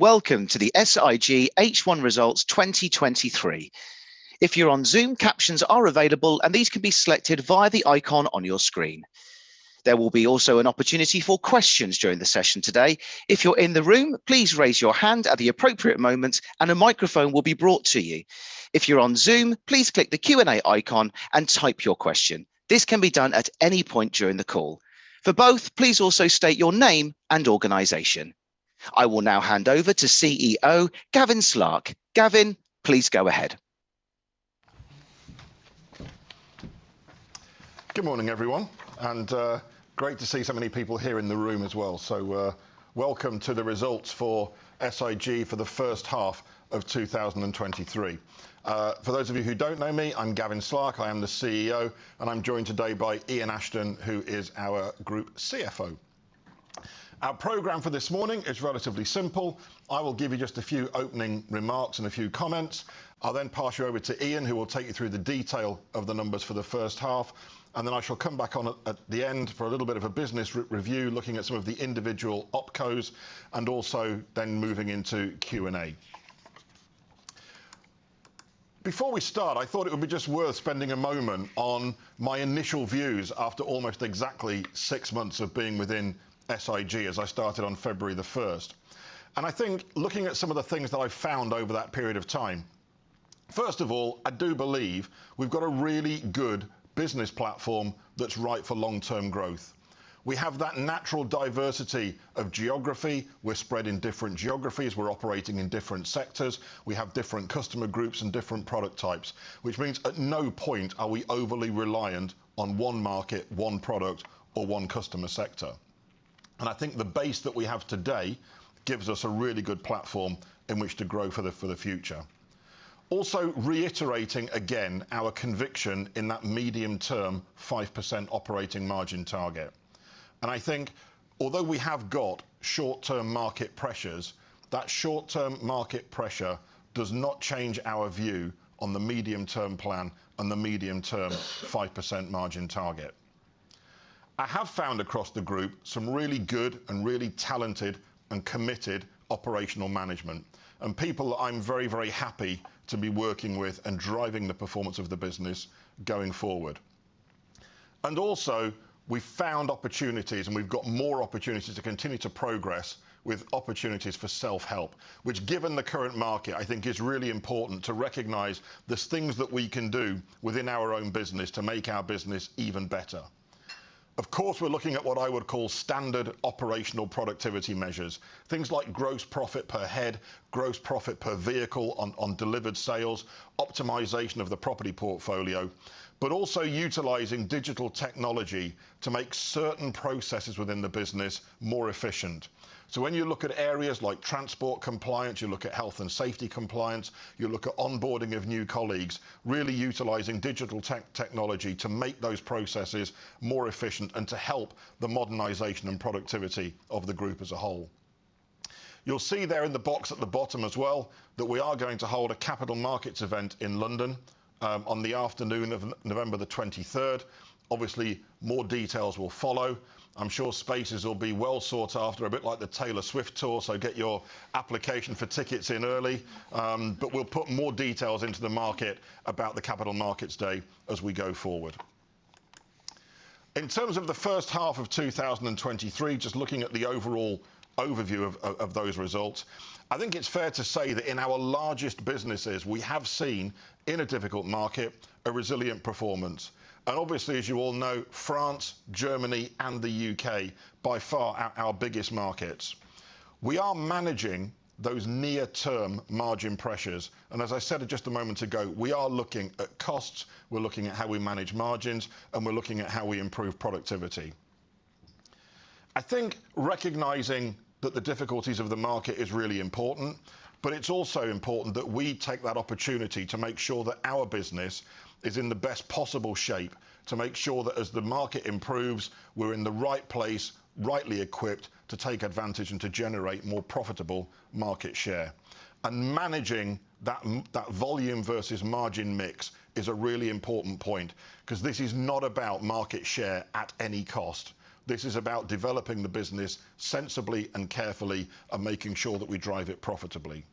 Welcome to the SIG H1 Results 2023. If you're on Zoom, captions are available. These can be selected via the icon on your screen. There will be also an opportunity for questions during the session today. If you're in the room, please raise your hand at the appropriate moment, and a microphone will be brought to you. If you're on Zoom, please click the Q&A icon and type your question. This can be done at any point during the call. For both, please also state your name and organization. I will now hand over to CEO, Gavin Slark. Gavin, please go ahead. Good morning, everyone, and great to see so many people here in the room as well. Welcome to the results for SIG for the first half of 2023. For those of you who don't know me, I'm Gavin Slark, I am the CEO, and I'm joined today by Ian Ashton, who is our group CFO. Our program for this morning is relatively simple. I will give you just a few opening remarks and a few comments. I'll then pass you over to Ian, who will take you through the detail of the numbers for the first half, and then I shall come back on at the end for a little bit of a business review, looking at some of the individual OpCos, and also then moving into Q&A. Before we start, I thought it would be just worth spending a moment on my initial views after almost exactly six months of being within SIG, as I started on February the 1st. I think looking at some of the things that I've found over that period of time, first of all, I do believe we've got a really good business platform that's right for long-term growth. We have that natural diversity of geography. We're spread in different geographies, we're operating in different sectors, we have different customer groups and different product types, which means at no point are we overly reliant on one market, one product, or one customer sector. I think the base that we have today gives us a really good platform in which to grow for the future. Also, reiterating, again, our conviction in that medium-term, 5% operating margin target. I think although we have got short-term market pressures, that short-term market pressure does not change our view on the medium-term plan and the medium-term 5% margin target. I have found across the group some really good and really talented and committed operational management, and people that I'm very, very happy to be working with and driving the performance of the business going forward. Also, we found opportunities, and we've got more opportunities to continue to progress with opportunities for self-help, which, given the current market, I think is really important to recognize there's things that we can do within our own business to make our business even better. Of course, we're looking at what I would call standard operational productivity measures, things like gross profit per head, gross profit per vehicle on, on delivered sales, optimization of the property portfolio, but also utilizing digital technology to make certain processes within the business more efficient. When you look at areas like transport compliance, you look at health and safety compliance, you look at onboarding of new colleagues, really utilizing digital technology to make those processes more efficient and to help the modernization and productivity of the group as a whole. You'll see there in the box at the bottom as well, that we are going to hold a capital markets event in London, on the afternoon of November 23rd. Obviously, more details will follow. I'm sure spaces will be well sought after, a bit like the Taylor Swift tour, so get your application for tickets in early. We'll put more details into the market about the capital markets day as we go forward. In terms of the first half of 2023, just looking at the overall overview of those results, I think it's fair to say that in our largest businesses, we have seen, in a difficult market, a resilient performance. Obviously, as you all know, France, Germany, and the U.K., by far, are our biggest markets. We are managing those near-term margin pressures, and as I said just a moment ago, we are looking at costs, we're looking at how we manage margins, and we're looking at how we improve productivity. I think recognizing that the difficulties of the market is really important, but it's also important that we take that opportunity to make sure that our business is in the best possible shape to make sure that as the market improves, we're in the right place, rightly equipped to take advantage and to generate more profitable market share. Managing that volume versus margin mix is a really important point, 'cause this is not about market share at any cost. This is about developing the business sensibly and carefully and making sure that we drive it profitably.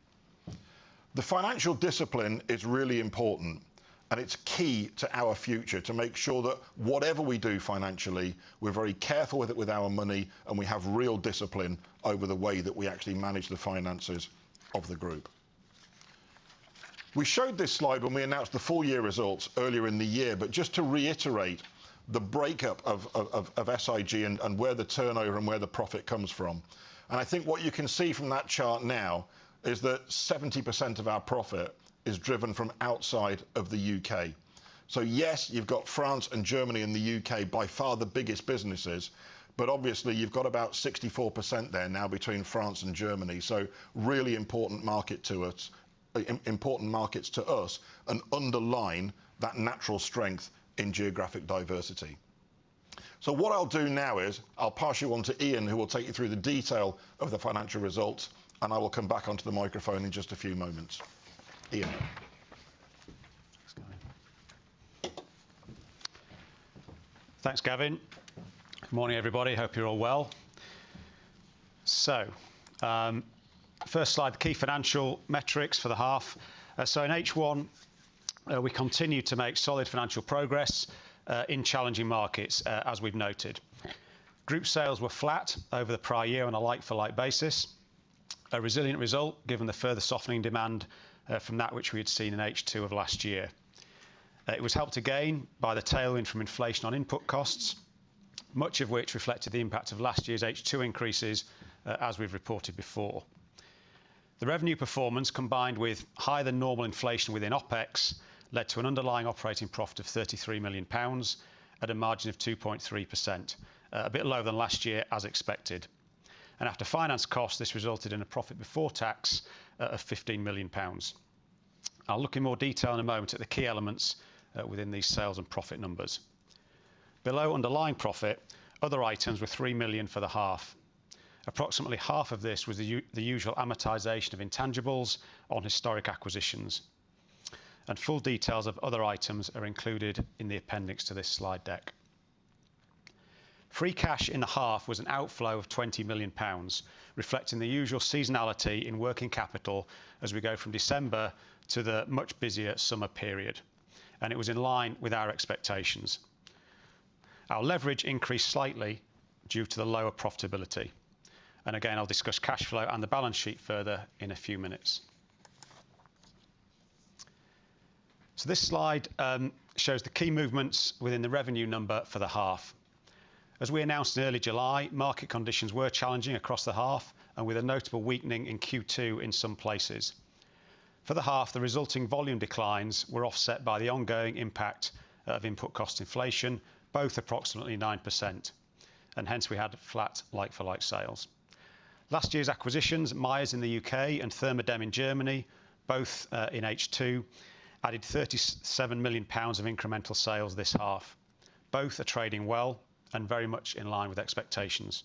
The financial discipline is really important, and it's key to our future to make sure that whatever we do financially, we're very careful with it, with our money, and we have real discipline over the way that we actually manage the finances of the group. We showed this slide when we announced the full year results earlier in the year, just to reiterate the breakup of SIG and where the turnover and where the profit comes from. I think what you can see from that chart now is that 70% of our profit is driven from outside of the U.K. Yes, you've got France and Germany and the U.K., by far the biggest businesses, obviously, you've got about 64% there now between France and Germany, really important market to us, important markets to us, underline that natural strength in geographic diversity. What I'll do now is, I'll pass you on to Ian, who will take you through the detail of the financial results, I will come back onto the microphone in just a few moments. Ian? Thanks, Gavin. Good morning, everybody. Hope you're all well. First slide, the key financial metrics for the half. In H1, we continued to make solid financial progress in challenging markets, as we've noted. Group sales were flat over the prior year on a like-for-like basis. A resilient result, given the further softening demand from that which we had seen in H2 of last year. It was helped again by the tailwind from inflation on input costs, much of which reflected the impact of last year's H2 increases, as we've reported before. The revenue performance, combined with higher-than-normal inflation within OpEx, led to an underlying operating profit of 33 million pounds at a margin of 2.3%. A bit lower than last year, as expected. After finance costs, this resulted in a profit before tax of 15 million pounds. I'll look in more detail in a moment at the key elements within these sales and profit numbers. Below underlying profit, other items were 3 million for the half. Approximately half of this was the usual amortization of intangibles on historic acquisitions, and full details of other items are included in the appendix to this slide deck. Free cash in the half was an outflow of 20 million pounds, reflecting the usual seasonality in working capital as we go from December to the much busier summer period, and it was in line with our expectations. Our leverage increased slightly due to the lower profitability. Again, I'll discuss cash flow and the balance sheet further in a few minutes. This slide shows the key movements within the revenue number for the half. As we announced in early July, market conditions were challenging across the half and with a notable weakening in Q2 in some places. For the half, the resulting volume declines were offset by the ongoing impact of input cost inflation, both approximately 9%, and hence we had flat like-for-like sales. Last year's acquisitions, Myers in the U.K. and Thermodämm in Germany, both in H2, added 37 million pounds of incremental sales this half. Both are trading well and very much in line with expectations.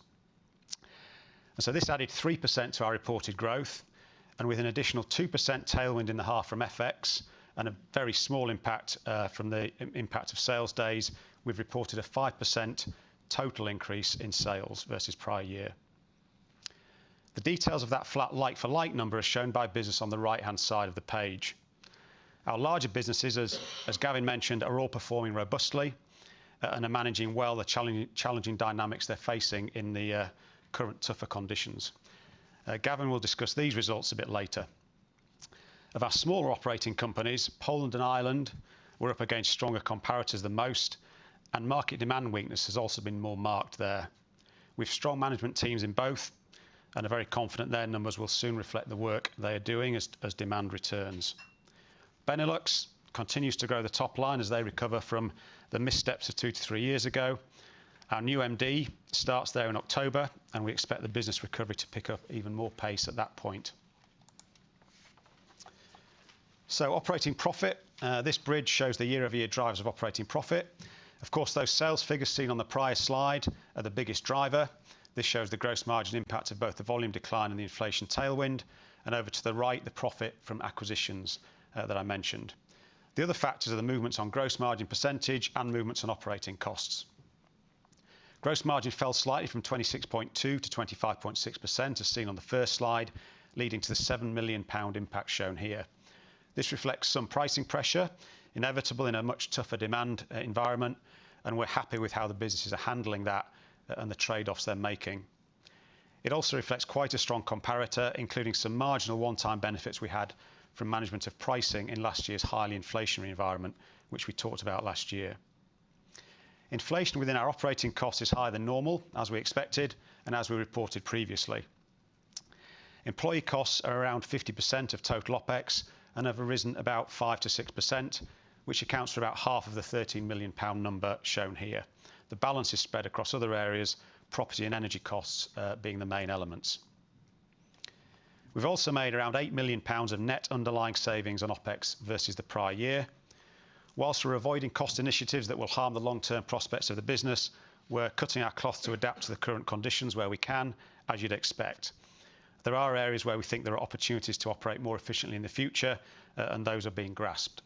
This added 3% to our reported growth, with an additional 2% tailwind in the half from FX and a very small impact from the impact of sales days, we've reported a 5% total increase in sales versus prior year. The details of that flat like-for-like number are shown by business on the right-hand side of the page. Our larger businesses, as, as Gavin mentioned, are all performing robustly and are managing well the challeng- challenging dynamics they're facing in the current tougher conditions. Gavin will discuss these results a bit later. Of our smaller operating companies, Poland and Ireland were up against stronger comparators than most, and market demand weakness has also been more marked there. With strong management teams in both and are very confident their numbers will soon reflect the work they are doing as, as demand returns. Benelux continues to grow the top line as they recover from the missteps of two to three years ago. Our new MD starts there in October, and we expect the business recovery to pick up even more pace at that point. Operating profit. This bridge shows the year-over-year drivers of operating profit. Of course, those sales figures seen on the prior slide are the biggest driver. This shows the gross margin impact of both the volume decline and the inflation tailwind, and over to the right, the profit from acquisitions that I mentioned. The other factors are the movements on gross margin percentage and movements on operating costs. Gross margin fell slightly from 26.2% to 25.6%, as seen on the first slide, leading to the 7 million pound impact shown here. This reflects some pricing pressure, inevitable in a much tougher demand environment, and we're happy with how the businesses are handling that and the trade-offs they're making. It also reflects quite a strong comparator, including some marginal one-time benefits we had from management of pricing in last year's highly inflationary environment, which we talked about last year. Inflation within our operating costs is higher than normal, as we expected, and as we reported previously. Employee costs are around 50% of total OpEx and have risen about 5%-6%, which accounts for about half of the 13 million pound number shown here. The balance is spread across other areas, property and energy costs, being the main elements. We've also made around 8 million pounds of net underlying savings on OpEx versus the prior year. Whilst we're avoiding cost initiatives that will harm the long-term prospects of the business, we're cutting our cloth to adapt to the current conditions where we can, as you'd expect. There are areas where we think there are opportunities to operate more efficiently in the future, and those are being grasped.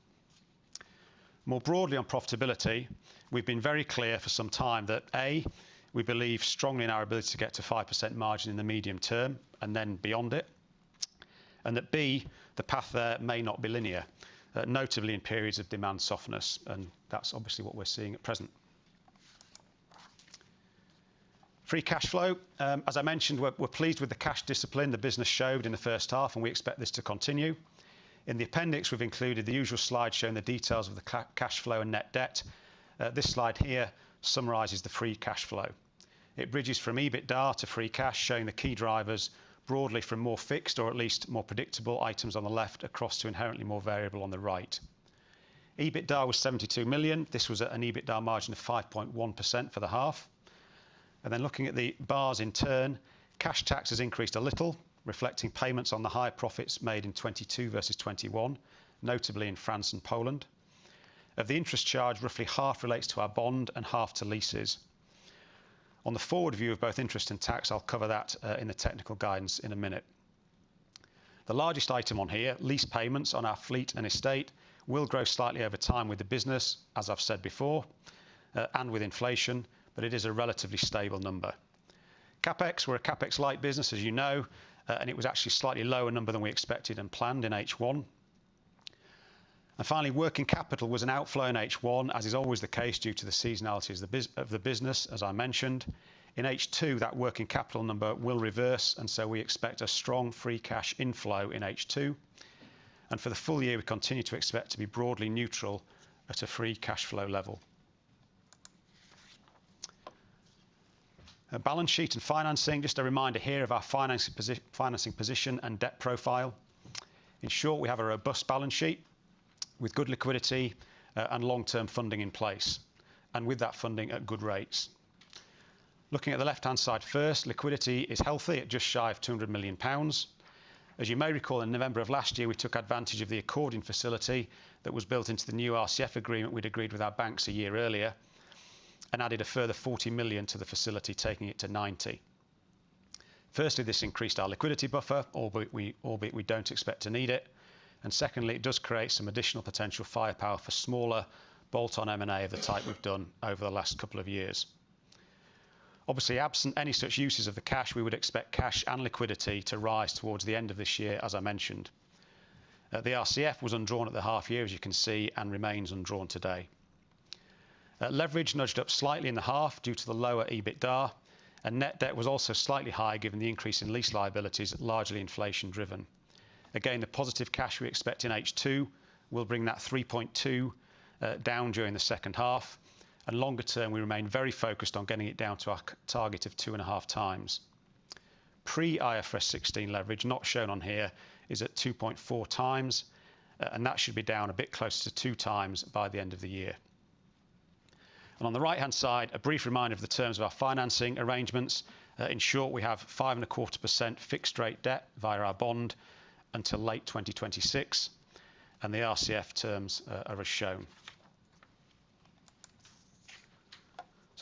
More broadly on profitability, we've been very clear for some time that, A, we believe strongly in our ability to get to 5% margin in the medium term and then beyond it, and that, B, the path there may not be linear, notably in periods of demand softness, and that's obviously what we're seeing at present. Free cash flow. As I mentioned, we're, we're pleased with the cash discipline the business showed in the first half, and we expect this to continue. In the appendix, we've included the usual slide showing the details of the cash flow and net debt. This slide here summarizes the free cash flow. It bridges from EBITDA to free cash, showing the key drivers broadly from more fixed or at least more predictable items on the left across to inherently more variable on the right. EBITDA was 72 million. This was at an EBITDA margin of 5.1% for the half. Looking at the bars in turn, cash tax has increased a little, reflecting payments on the high profits made in 2022 versus 2021, notably in France and Poland. Of the interest charge, roughly half relates to our bond and half to leases. On the forward view of both interest and tax, I'll cover that in the technical guidance in a minute. The largest item on here, lease payments on our fleet and estate will grow slightly over time with the business, as I've said before, and with inflation, but it is a relatively stable number. CapEx, we're a CapEx-light business, as you know, it was actually a slightly lower number than we expected and planned in H1. Finally, working capital was an outflow in H1, as is always the case, due to the seasonality of the business, as I mentioned. In H2, that working capital number will reverse, so we expect a strong free cash inflow in H2, for the full year, we continue to expect to be broadly neutral at a free cash flow level. Our balance sheet and financing, just a reminder here of our financing position and debt profile. In short, we have a robust balance sheet with good liquidity, long-term funding in place, with that funding at good rates. Looking at the left-hand side first, liquidity is healthy at just shy of 200 million pounds. As you may recall, in November of last year, we took advantage of the accordion facility that was built into the new RCF agreement we'd agreed with our banks a year earlier and added a further 40 million to the facility, taking it to 90 million. Firstly, this increased our liquidity buffer, albeit we, albeit we don't expect to need it, and secondly, it does create some additional potential firepower for smaller bolt-on M&A of the type we've done over the last couple of years. Obviously, absent any such uses of the cash, we would expect cash and liquidity to rise towards the end of this year, as I mentioned. The RCF was undrawn at the half year, as you can see, and remains undrawn today. Leverage nudged up slightly in the half due to the lower EBITDA, and net debt was also slightly higher, given the increase in lease liabilities, largely inflation driven. Again, the positive cash we expect in H2 will bring that 3.2 down during the second half, and longer term, we remain very focused on getting it down to our target of 2.5x. Pre-IFRS 16 leverage, not shown on here, is at 2.4x, and that should be down a bit closer to 2x by the end of the year. On the right-hand side, a brief reminder of the terms of our financing arrangements. In short, we have 5.25% fixed rate debt via our bond until late 2026, and the RCF terms are as shown.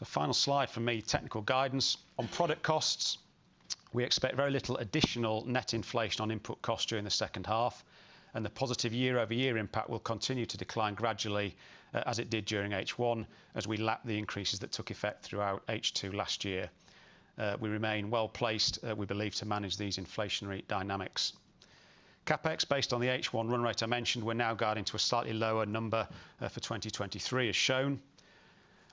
Final slide for me, technical guidance. On product costs, we expect very little additional net inflation on input costs during the second half, the positive year-over-year impact will continue to decline gradually as it did during H1 as we lap the increases that took effect throughout H2 last year. We remain well placed, we believe, to manage these inflationary dynamics. CapEx, based on the H1 run rate I mentioned, we're now guiding to a slightly lower number for 2023, as shown.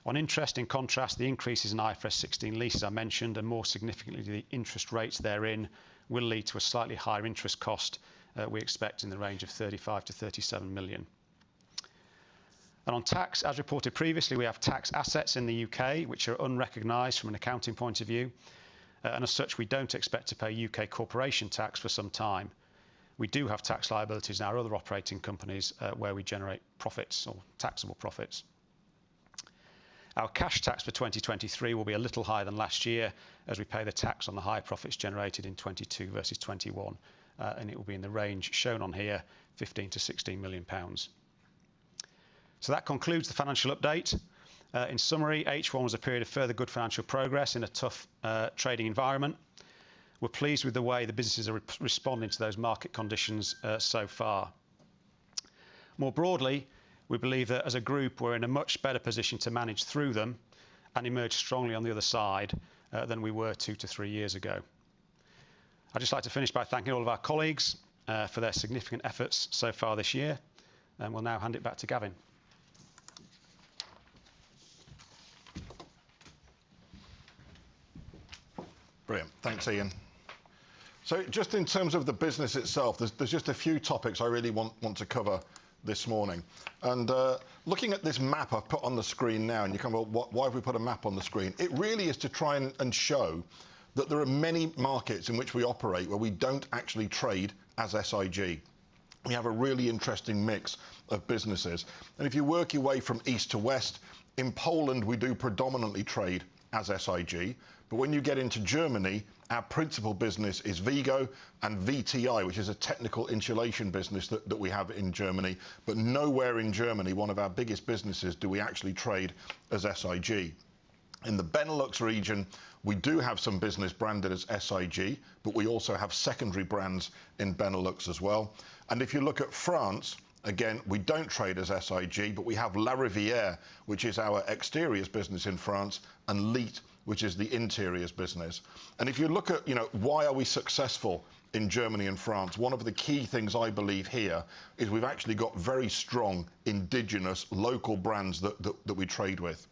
On interest, in contrast, the increases in IFRS 16 leases I mentioned, and more significantly, the interest rates therein, will lead to a slightly higher interest cost, we expect in the range of 35 million-37 million. On tax, as reported previously, we have tax assets in the U.K., which are unrecognized from an accounting point of view, and as such, we don't expect to pay U.K. corporation tax for some time. We do have tax liabilities in our other operating companies, where we generate profits or taxable profits. Our cash tax for 2023 will be a little higher than last year, as we pay the tax on the higher profits generated in 2022 versus 2021, and it will be in the range shown on here, 15 million-16 million pounds. That concludes the financial update. In summary, H1 was a period of further good financial progress in a tough trading environment. We're pleased with the way the businesses are responding to those market conditions so far. More broadly, we believe that as a group, we're in a much better position to manage through them and emerge strongly on the other side, than we were two to three years ago. I'd just like to finish by thanking all of our colleagues, for their significant efforts so far this year, and will now hand it back to Gavin. Brilliant. Thanks, Ian. Just in terms of the business itself, there's, there's just a few topics I really want, want to cover this morning. Looking at this map I've put on the screen now, and you're kind of, "Well, why have we put a map on the screen?" It really is to try and, and show that there are many markets in which we operate, where we don't actually trade as SIG. We have a really interesting mix of businesses. If you work your way from east to west, in Poland, we do predominantly trade as SIG, but when you get into Germany, our principal business is WIGO and VTI, which is a technical insulation business that, that we have in Germany. Nowhere in Germany, one of our biggest businesses, do we actually trade as SIG. In the Benelux region, we do have some business branded as SIG, but we also have secondary brands in Benelux as well. If you look at France, again, we don't trade as SIG, but we have La Riviere, which is our exteriors business in France, and LiTT, which is the interiors business. If you look at, you know, why are we successful in Germany and France, one of the key things I believe here is we've actually got very strong indigenous local brands that we trade with.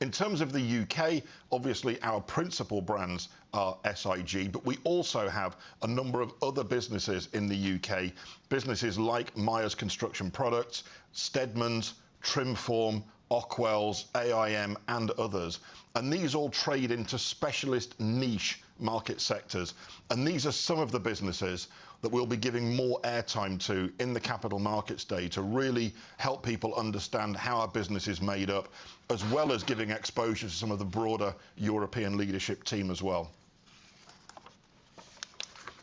In terms of the U.K., obviously, our principal brands are SIG, but we also have a number of other businesses in the U.K., businesses like Myers Construction Products, Steadmans, Trimform, Ockwells, AIM, and others, and these all trade into specialist niche market sectors. These are some of the businesses that we'll be giving more airtime to in the Capital Markets Day to really help people understand how our business is made up, as well as giving exposure to some of the broader European leadership team as well.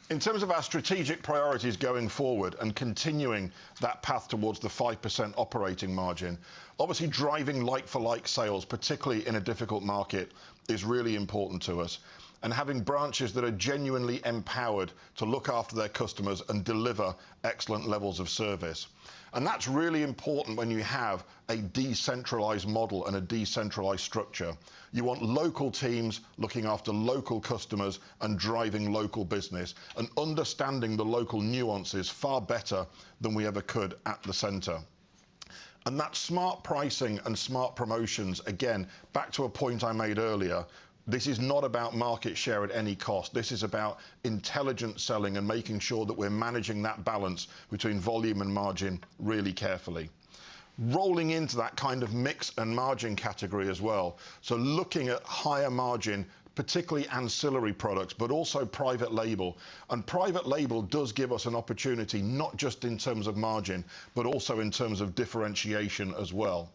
In terms of our strategic priorities going forward and continuing that path towards the 5% operating margin obviously, driving like-for-like sales, particularly in a difficult market is really important to us and having branches that are genuinely empowered to look after their customers and deliver excellent levels of service. That's really important when you have a decentralized model and a decentralized structure. You want local teams looking after local customers and driving local business, and understanding the local nuances far better than we ever could at the center. That smart pricing and smart promotions, again, back to a point I made earlier, this is not about market share at any cost. This is about intelligent selling and making sure that we're managing that balance between volume and margin really carefully. Rolling into that kind of mix and margin category as well, so looking at higher margin, particularly ancillary products, but also private label. Private label does give us an opportunity, not just in terms of margin, but also in terms of differentiation as well.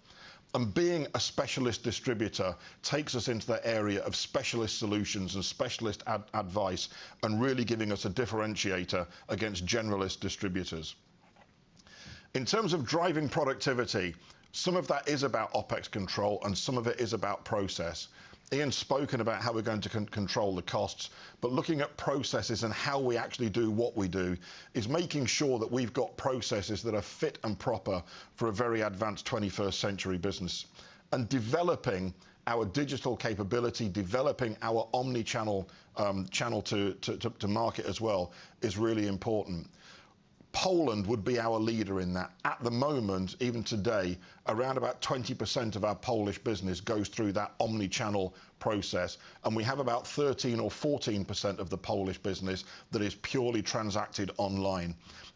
Being a specialist distributor takes us into the area of specialist solutions and specialist advice, and really giving us a differentiator against generalist distributors. In terms of driving productivity, some of that is about OpEx control, and some of it is about process. Ian spoken about how we're going to control the costs, but looking at processes and how we actually do what we do, is making sure that we've got processes that are fit and proper for a very advanced 21st century business and developing our digital capability, developing our omni-channel channel to market as well, is really important. Poland would be our leader in that. At the moment, even today, around about 20% of our Polish business goes through that omni-channel process, and we have about 13% or 14% of the Polish business that is purely transacted online.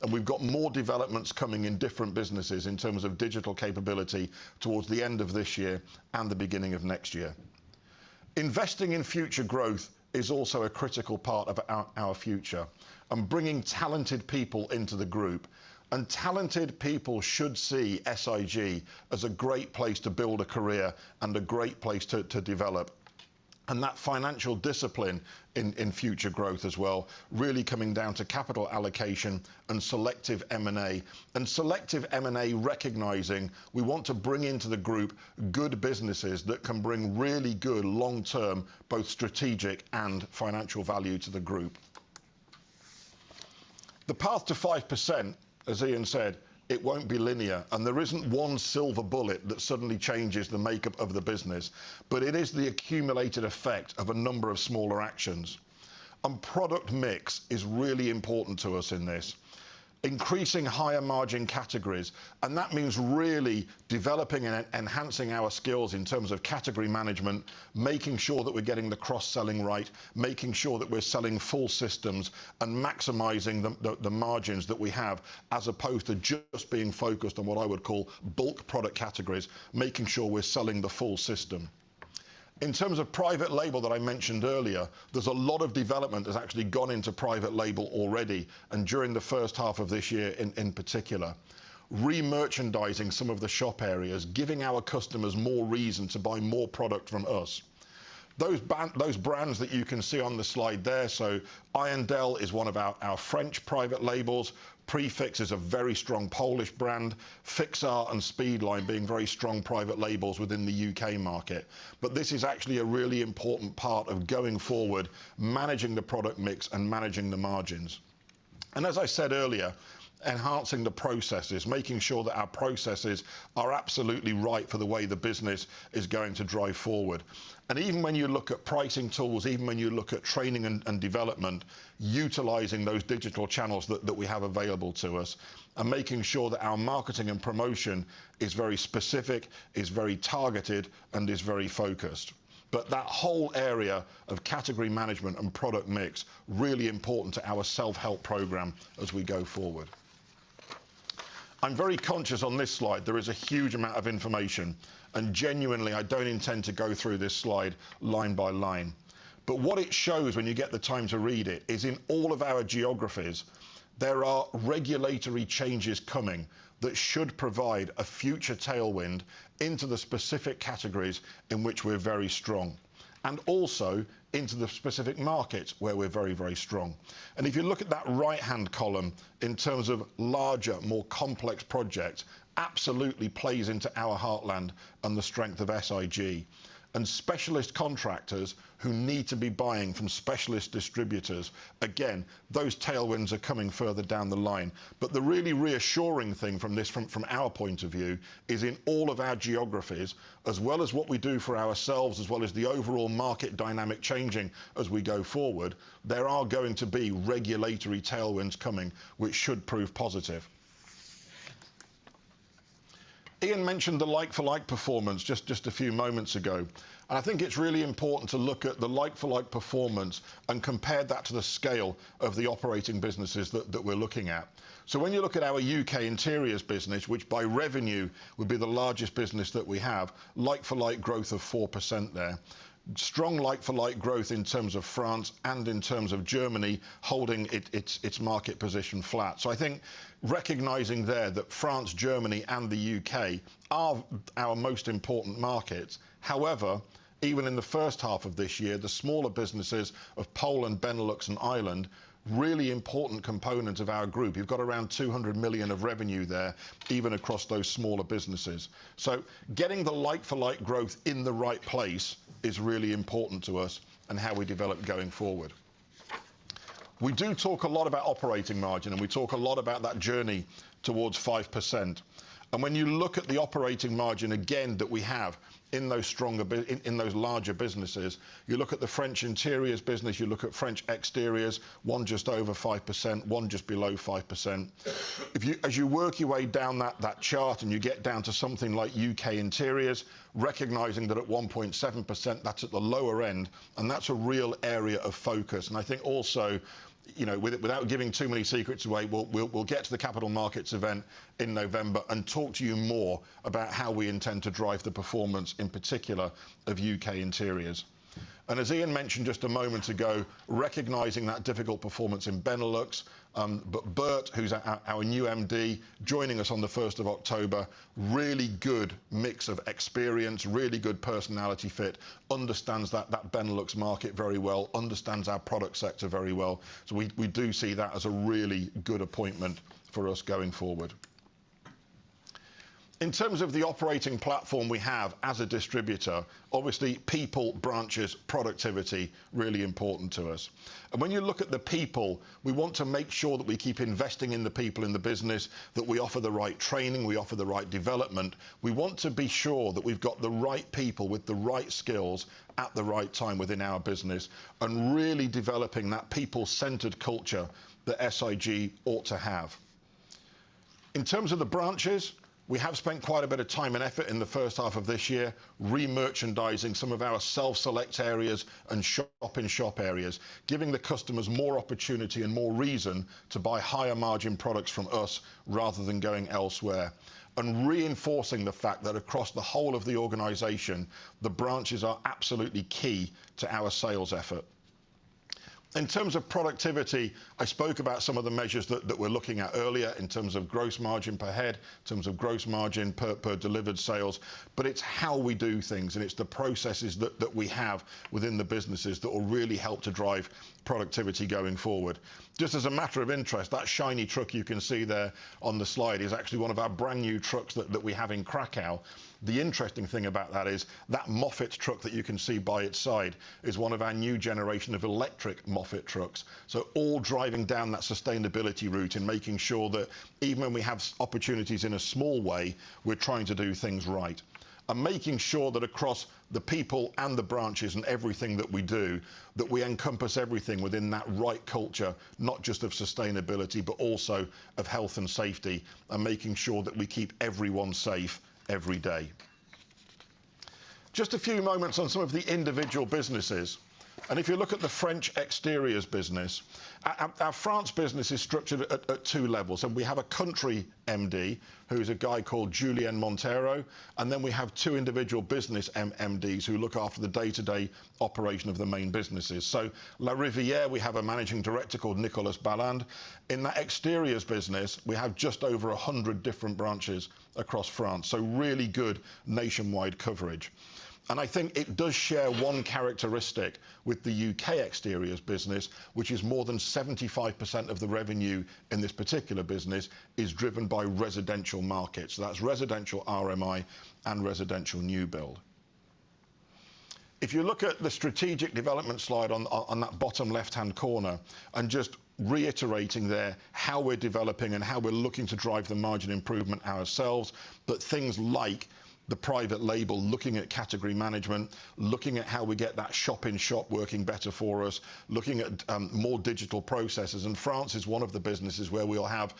We've got more developments coming in different businesses in terms of digital capability towards the end of this year and the beginning of next year. Investing in future growth is also a critical part of our, our future, and bringing talented people into the group. Talented people should see SIG as a great place to build a career and a great place to, to develop. That financial discipline in, in future growth as well, really coming down to capital allocation and selective M&A. Selective M&A, recognizing we want to bring into the group good businesses that can bring really good long-term, both strategic and financial value to the group. The path to 5%, as Ian said, it won't be linear, and there isn't one silver bullet that suddenly changes the makeup of the business, but it is the accumulated effect of a number of smaller actions. Product mix is really important to us in this. Increasing higher margin categories, and that means really developing and enhancing our skills in terms of category management, making sure that we're getting the cross-selling right, making sure that we're selling full systems, and maximizing the margins that we have, as opposed to just being focused on what I would call bulk product categories, making sure we're selling the full system. In terms of private label that I mentioned earlier, there's a lot of development that's actually gone into private label already, and during the first half of this year in particular. Re-merchandising some of the shop areas, giving our customers more reason to buy more product from us. Those brands that you can see on the slide there, so AdyL is one of our French private labels. Prefix is a very strong Polish brand. Fixar and Speedline being very strong private labels within the U.K. market. This is actually a really important part of going forward, managing the product mix and managing the margins. As I said earlier, enhancing the processes, making sure that our processes are absolutely right for the way the business is going to drive forward. Even when you look at pricing tools, even when you look at training and development, utilizing those digital channels that we have available to us and making sure that our marketing and promotion is very specific, is very targeted, and is very focused. That whole area of category management and product mix, really important to our self-help program as we go forward. I'm very conscious on this slide, there is a huge amount of information, and genuinely, I don't intend to go through this slide line by line. What it shows, when you get the time to read it, is in all of our geographies, there are regulatory changes coming that should provide a future tailwind into the specific categories in which we're very strong, and also into the specific markets where we're very, very strong. If you look at that right-hand column, in terms of larger, more complex projects, absolutely plays into our heartland and the strength of SIG. Specialist contractors who need to be buying from specialist distributors, again, those tailwinds are coming further down the line. The really reassuring thing from this from, from our point of view, is in all of our geographies, as well as what we do for ourselves, as well as the overall market dynamic changing as we go forward, there are going to be regulatory tailwinds coming, which should prove positive. Ian mentioned the like-for-like performance just, just a few moments ago. I think it's really important to look at the like-for-like performance and compare that to the scale of the operating businesses that, that we're looking at. When you look at our U.K. Interiors Business, which by revenue would be the largest business that we have, like-for-like growth of 4% there. Strong like-for-like growth in terms of France and in terms of Germany, holding it- its, its market position flat. I think recognizing there that France, Germany, and the U.K. are our most important markets. However, even in the first half of this year, the smaller businesses of Poland, Benelux, and Ireland, really important components of our group. You've got around 200 million of revenue there, even across those smaller businesses. Getting the like-for-like growth in the right place is really important to us and how we develop going forward. We do talk a lot about operating margin, and we talk a lot about that journey towards 5%. When you look at the operating margin, again, that we have in those stronger in those larger businesses, you look at the French interiors business, you look at French exteriors, one just over 5%, one just below 5%. If you, as you work your way down that, that chart and you get down to something like U.K. interiors, recognizing that at 1.7%, that's at the lower end, and that's a real area of focus. I think also, you know, without giving too many secrets away, we'll get to the capital markets event in November and talk to you more about how we intend to drive the performance, in particular, of U.K. interiors. As Ian mentioned just a moment ago, recognizing that difficult performance in Benelux, but Bert, who's our new MD, joining us on the first of October, really good mix of experience, really good personality fit, understands that Benelux market very well, understands our product sector very well. We do see that as a really good appointment for us going forward. In terms of the operating platform we have as a distributor, obviously, people, branches, productivity, really important to us. When you look at the people, we want to make sure that we keep investing in the people in the business, that we offer the right training, we offer the right development. We want to be sure that we've got the right people with the right skills at the right time within our business, and really developing that people-centered culture that SIG ought to have. In terms of the branches, we have spent quite a bit of time and effort in the first half of this year re-merchandising some of our self-select areas and shop in shop areas, giving the customers more opportunity and more reason to buy higher margin products from us rather than going elsewhere and reinforcing the fact that across the whole of the organization, the branches are absolutely key to our sales effort. In terms of productivity, I spoke about some of the measures that we're looking at earlier in terms of gross margin per head, in terms of gross margin per delivered sales, but it's how we do things, and it's the processes that we have within the businesses that will really help to drive productivity going forward. Just as a matter of interest, that shiny truck you can see there on the slide is actually one of our brand-new trucks that we have in Krakow. The interesting thing about that is, that Moffat truck that you can see by its side is one of our new generation of electric Moffat trucks. All driving down that sustainability route and making sure that even when we have opportunities in a small way, we're trying to do things right. Making sure that across the people and the branches and everything that we do, that we encompass everything within that right culture, not just of sustainability, but also of health and safety, and making sure that we keep everyone safe every day. Just a few moments on some of the individual businesses. If you look at the French exteriors business, our France business is structured at two levels. We have a country MD, who is a guy called Julien Montero, and then we have two individual business MDs who look after the day-to-day operation of the main businesses. La Riviere, we have a Managing Director called Nicolas Balland. In that exteriors business, we have just over 100 different branches across France, so really good nationwide coverage. I think it does share one characteristic with the U.K. exteriors business, which is more than 75% of the revenue in this particular business is driven by residential markets. That's residential RMI and residential new build. If you look at the strategic development slide on, on that bottom left-hand corner, I'm just reiterating there how we're developing and how we're looking to drive the margin improvement ourselves, but things like the private label, looking at category management, looking at how we get that shop in shop working better for us, looking at more digital processes, and France is one of the businesses where we'll have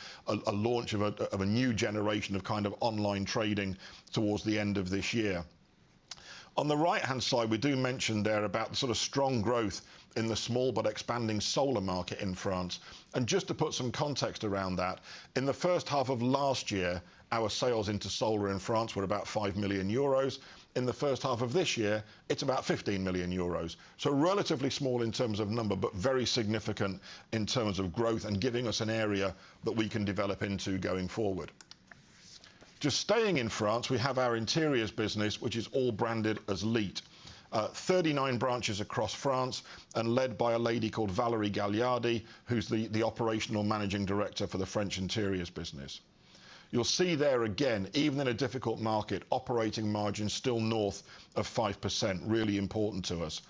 a launch of a, of a new generation of kind of online trading towards the end of this year. On the right-hand side, we do mention there about the sort of strong growth in the small but expanding solar market in France. Just to put some context around that, in the first half of last year, our sales into solar in France were about 5 million euros. In the first half of this year, it's about 15 million euros. Relatively small in terms of number, but very significant in terms of growth and giving us an area that we can develop into going forward. Just staying in France, we have our interiors business, which is all branded as Leatt. 39 branches across France and led by a lady called Valerie Gagliardi, who's the, the operational managing director for the French interiors business. You'll see there again, even in a difficult market, operating margin still north of 5%, really important to us.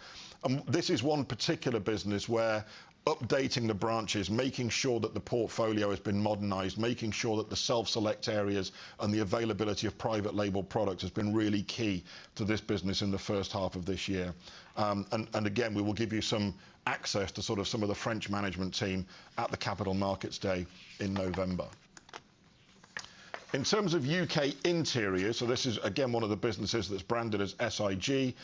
This is one particular business where updating the branches, making sure that the portfolio has been modernized, making sure that the self-select areas and the availability of private label products has been really key to this business in the first half of this year. Again, we will give you some access to sort of some of the French management team at the Capital Markets Day in November. In terms of U.K. interiors, this is again, one of the businesses that's branded as SIG,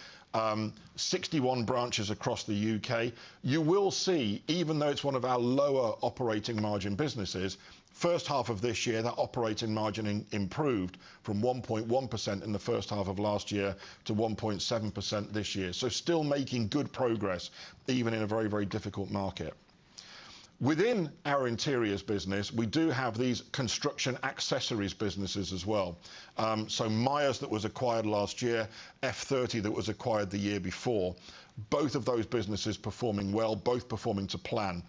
61 branches across the U.K. You will see, even though it's one of our lower operating margin businesses, first half of this year, that operating margin improved from 1.1% in the first half of last year to 1.7% this year. Still making good progress, even in a very, very difficult market. within our interiors business, we do have these construction accessories businesses as well. Myers, that was acquired last year, F30, that was acquired the year before, both of those businesses performing well, both performing to plan.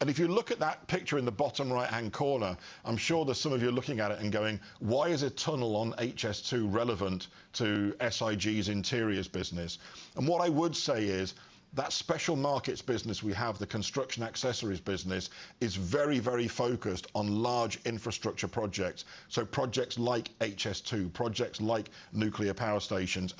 If you look at that picture in the bottom right-hand corner, I'm sure there's some of you looking at it and going: Why is a tunnel on HS2 relevant to SIG's interiors business? I would say is, that special markets business we have, the construction accessories business, is very, very focused on large infrastructure projects, so projects like HS2, projects like nuclear power stations.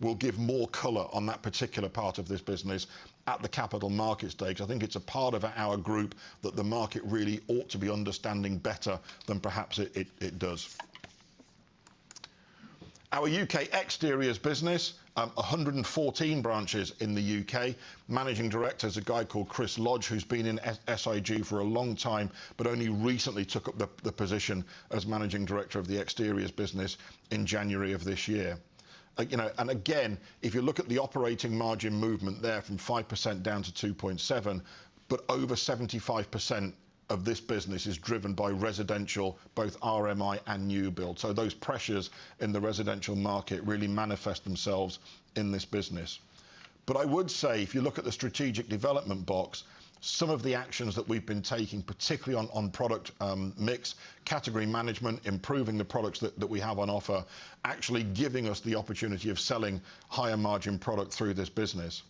We'll give more color on that particular part of this business at the capital markets stage. I think it's a part of our group that the market really ought to be understanding better than perhaps it does. Our U.K. exteriors business, 114 branches in the U.K. Managing director is a guy called Chris Lodge, who's been in SIG for a long time, but only recently took up the position as managing director of the exteriors business in January of this year. You know, again, if you look at the operating margin movement there from 5% down to 2.7%, over 75% of this business is driven by residential, both RMI and new build. Those pressures in the residential market really manifest themselves in this business. I would say if you look at the strategic development box, some of the actions that we've been taking, particularly on, on product, mix, category management, improving the products that, that we have on offer, actually giving us the opportunity of selling higher margin product through this business.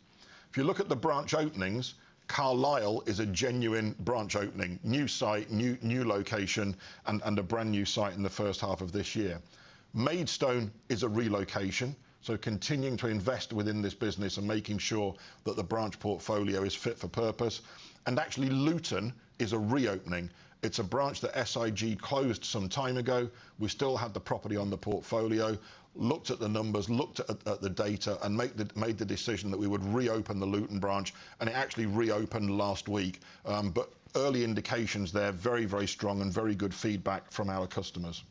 If you look at the branch openings, Carlisle is a genuine branch opening, new site, new, new location, and, and a brand-new site in the first half of this year. Maidstone is a relocation, so continuing to invest within this business and making sure that the branch portfolio is fit for purpose. Actually, Luton is a reopening. It's a branch that SIG closed some time ago. We still had the property on the portfolio, looked at the numbers, looked at the data, made the decision that we would reopen the Luton branch, and it actually reopened last week. Early indications there, very, very strong and very good feedback from our customers.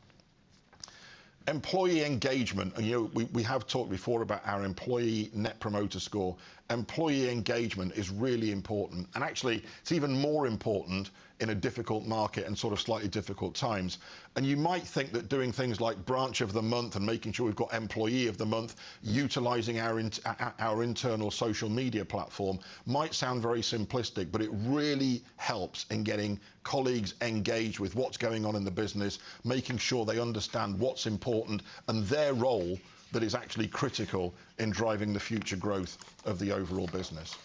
Employee engagement, you know, we have talked before about our employee net promoter score. Employee engagement is really important, and actually, it's even more important in a difficult market and sort of slightly difficult times. You might think that doing things like branch of the month and making sure we've got employee of the month, utilizing our int. our internal social media platform, might sound very simplistic, but it really helps in getting colleagues engaged with what's going on in the business, making sure they understand what's important, and their role that is actually critical in driving the future growth of the overall business.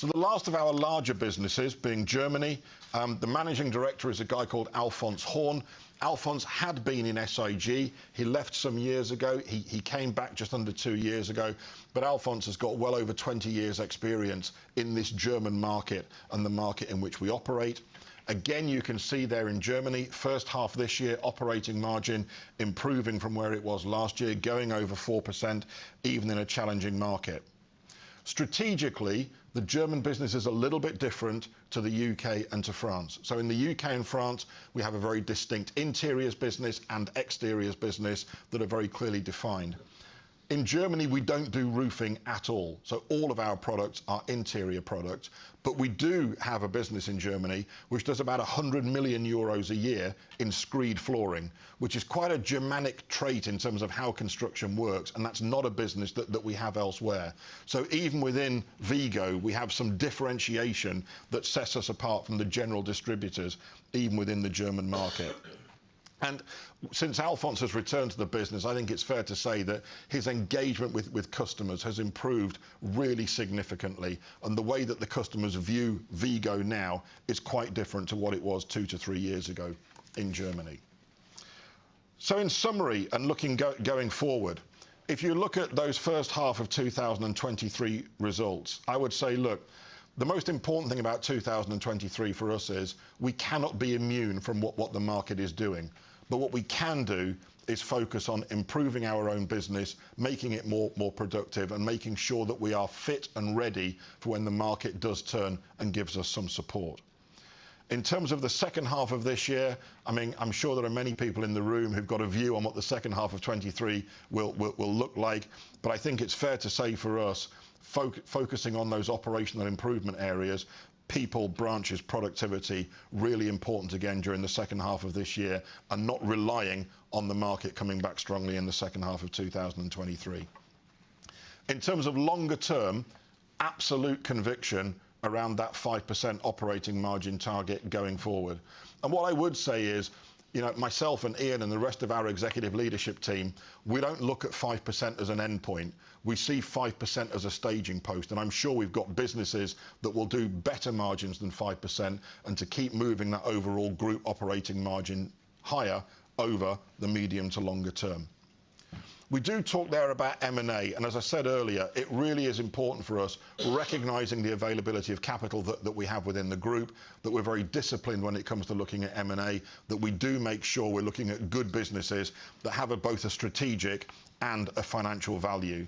The last of our larger businesses being Germany, the managing director is a guy called Alfons Horn. Alfons had been in SIG. He left some years ago. He came back just under two years ago. Alfons has got well over 20 years' experience in this German market and the market in which we operate. Again, you can see there in Germany, first half of this year, operating margin improving from where it was last year, going over 4%, even in a challenging market. Strategically, the German business is a little bit different to the U.K. and to France. In the U.K. and France, we have a very distinct interiors business and exteriors business that are very clearly defined. In Germany, we don't do roofing at all, so all of our products are interior products. We do have a business in Germany which does about 100 million euros a year in screed flooring, which is quite a Germanic trait in terms of how construction works, and that's not a business that we have elsewhere. Even within VIGO, we have some differentiation that sets us apart from the general distributors, even within the German market. Since Alfons has returned to the business, I think it's fair to say that his engagement with customers has improved really significantly, and the way that the customers view VIGO now is quite different to what it was two to three years ago in Germany. In summary, and looking going forward, if you look at those first half of 2023 results, I would say, look, the most important thing about 2023 for us is we cannot be immune from what, what the market is doing. What we can do is focus on improving our own business, making it more, more productive, and making sure that we are fit and ready for when the market does turn and gives us some support. In terms of the second half of this year, I mean, I'm sure there are many people in the room who've got a view on what the second half of 2023 will, will, will look like, but I think it's fair to say for us, focusing on those operational improvement areas, people, branches, productivity, really important again during the second half of this year, and not relying on the market coming back strongly in the second half of 2023. In terms of longer term, absolute conviction around that 5% operating margin target going forward. What I would say is, you know, myself and Ian and the rest of our executive leadership team, we don't look at 5% as an endpoint. We see 5% as a staging post, I'm sure we've got businesses that will do better margins than 5% and to keep moving that overall group operating margin higher over the medium to longer term. We do talk there about M&A, as I said earlier, it really is important for us, recognizing the availability of capital that we have within the group, that we're very disciplined when it comes to looking at M&A, that we do make sure we're looking at good businesses that have both a strategic and a financial value.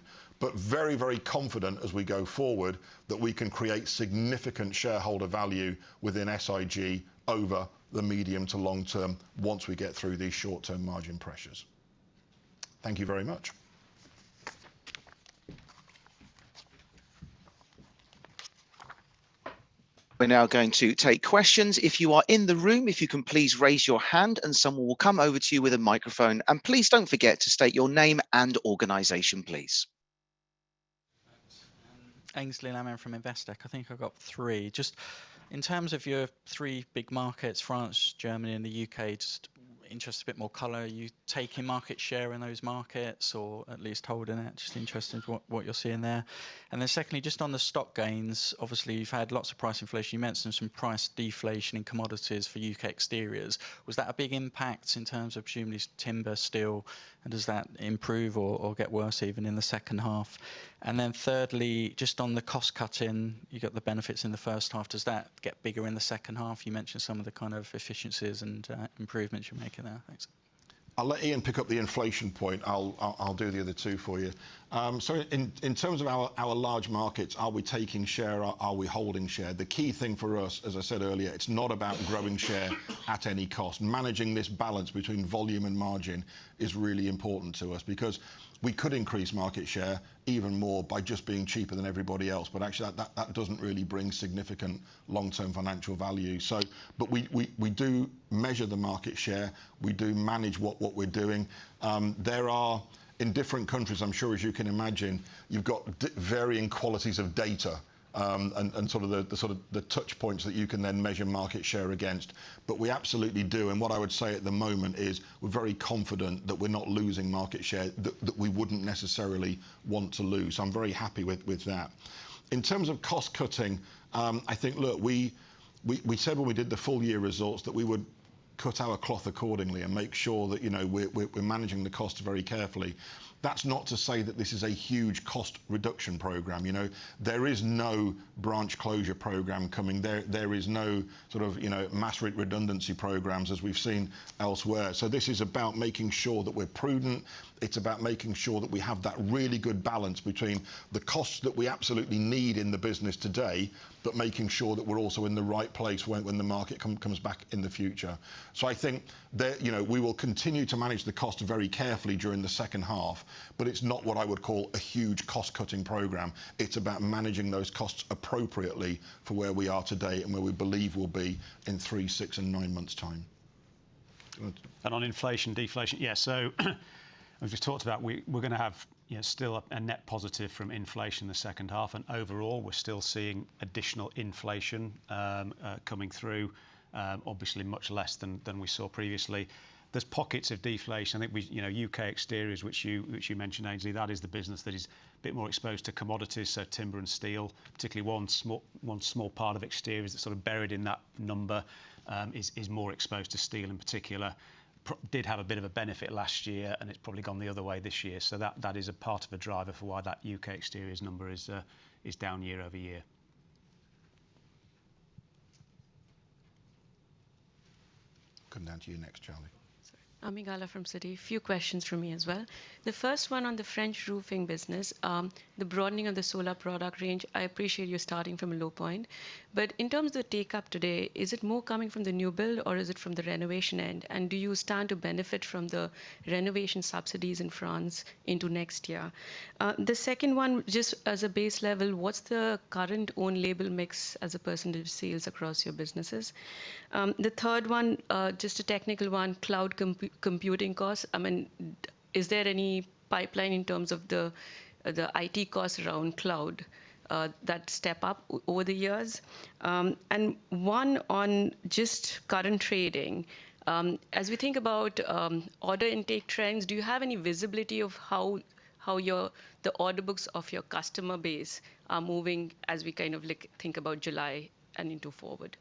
Very, very confident as we go forward that we can create significant shareholder value within SIG over the medium to long term once we get through these short-term margin pressures. Thank you very much. We're now going to take questions. If you are in the room, if you can please raise your hand, and someone will come over to you with a microphone. Please don't forget to state your name and organization, please. Aynsley Lammin from Investec. I think I've got three. Just in terms of your three big markets, France, Germany, and the U.K., just interested in a bit more color. Are you taking market share in those markets or at least holding it? Just interested in what you're seeing there. Secondly, just on the stock gains, obviously, you've had lots of price inflation. You mentioned some price deflation in commodities for U.K. exteriors. Was that a big impact in terms of presumably timber, steel, and does that improve or get worse even in the second half? Thirdly, just on the cost cutting, you got the benefits in the first half, does that get bigger in the second half? You mentioned some of the kind of efficiencies and improvements you're making there. Thanks. I'll let Ian pick up the inflation point. I'll do the other two for you. In terms of our large markets, are we taking share, are we holding share? The key thing for us, as I said earlier, it's not about growing share at any cost. Managing this balance between volume and margin is really important to us because we could increase market share even more by just being cheaper than everybody else, but actually, that, that doesn't really bring significant long-term financial value. We, we, we do measure the market share. We do manage what, what we're doing. There are, in different countries, I'm sure as you can imagine, you've got varying qualities of data, and, and sort of the, the sort of, the touch points that you can then measure market share against. We absolutely do, and what I would say at the moment is, we're very confident that we're not losing market share that, that we wouldn't necessarily want to lose. I'm very happy with, with that. In terms of cost cutting, I think, look, we, we, we said when we did the full year results, that we would cut our cloth accordingly and make sure that, you know, we're, we're, we're managing the cost very carefully. That's not to say that this is a huge cost reduction program. You know, there is no branch closure program coming. There, there is no sort of, you know, mass redundancy programs as we've seen elsewhere. This is about making sure that we're prudent. It's about making sure that we have that really good balance between the costs that we absolutely need in the business today, but making sure that we're also in the right place when, when the market come, comes back in the future. I think that, you know, we will continue to manage the cost very carefully during the second half, but it's not what I would call a huge cost-cutting program. It's about managing those costs appropriately for where we are today and where we believe we'll be in three, six, and nine months' time. On inflation, deflation, as we've talked about, we, we're going to have, you know, still a net positive from inflation in the second half, and overall, we're still seeing additional inflation coming through, obviously, much less than we saw previously. There's pockets of deflation. You know, U.K. exteriors, which you mentioned, Ainsley, that is the business that is a bit more exposed to commodities, so timber and steel. Particularly one small, one small part of exteriors that's sort of buried in that number, is more exposed to steel in particular. Did have a bit of a benefit last year, and it's probably gone the other way this year. That, that is a part of a driver for why that U.K. exteriors number is down year over year. Come down to you next, Charlie. Sorry. Ami Galla from Citi. A few questions from me as well. The first one on the French roofing business, the broadening of the solar product range, I appreciate you're starting from a low point. In terms of takeup today, is it more coming from the new build or is it from the renovation end? Do you stand to benefit from the renovation subsidies in France into next year? The second one, just as a base level, what's the current own label mix as a percentage of sales across your businesses? The third one, just a technical one, cloud computing costs. I mean, is there any pipeline in terms of the IT costs around cloud that step up over the years? One on just current trading. As we think about, order intake trends, do you have any visibility of how, how your, the order books of your customer base are moving as we kind of look, think about July and into forward?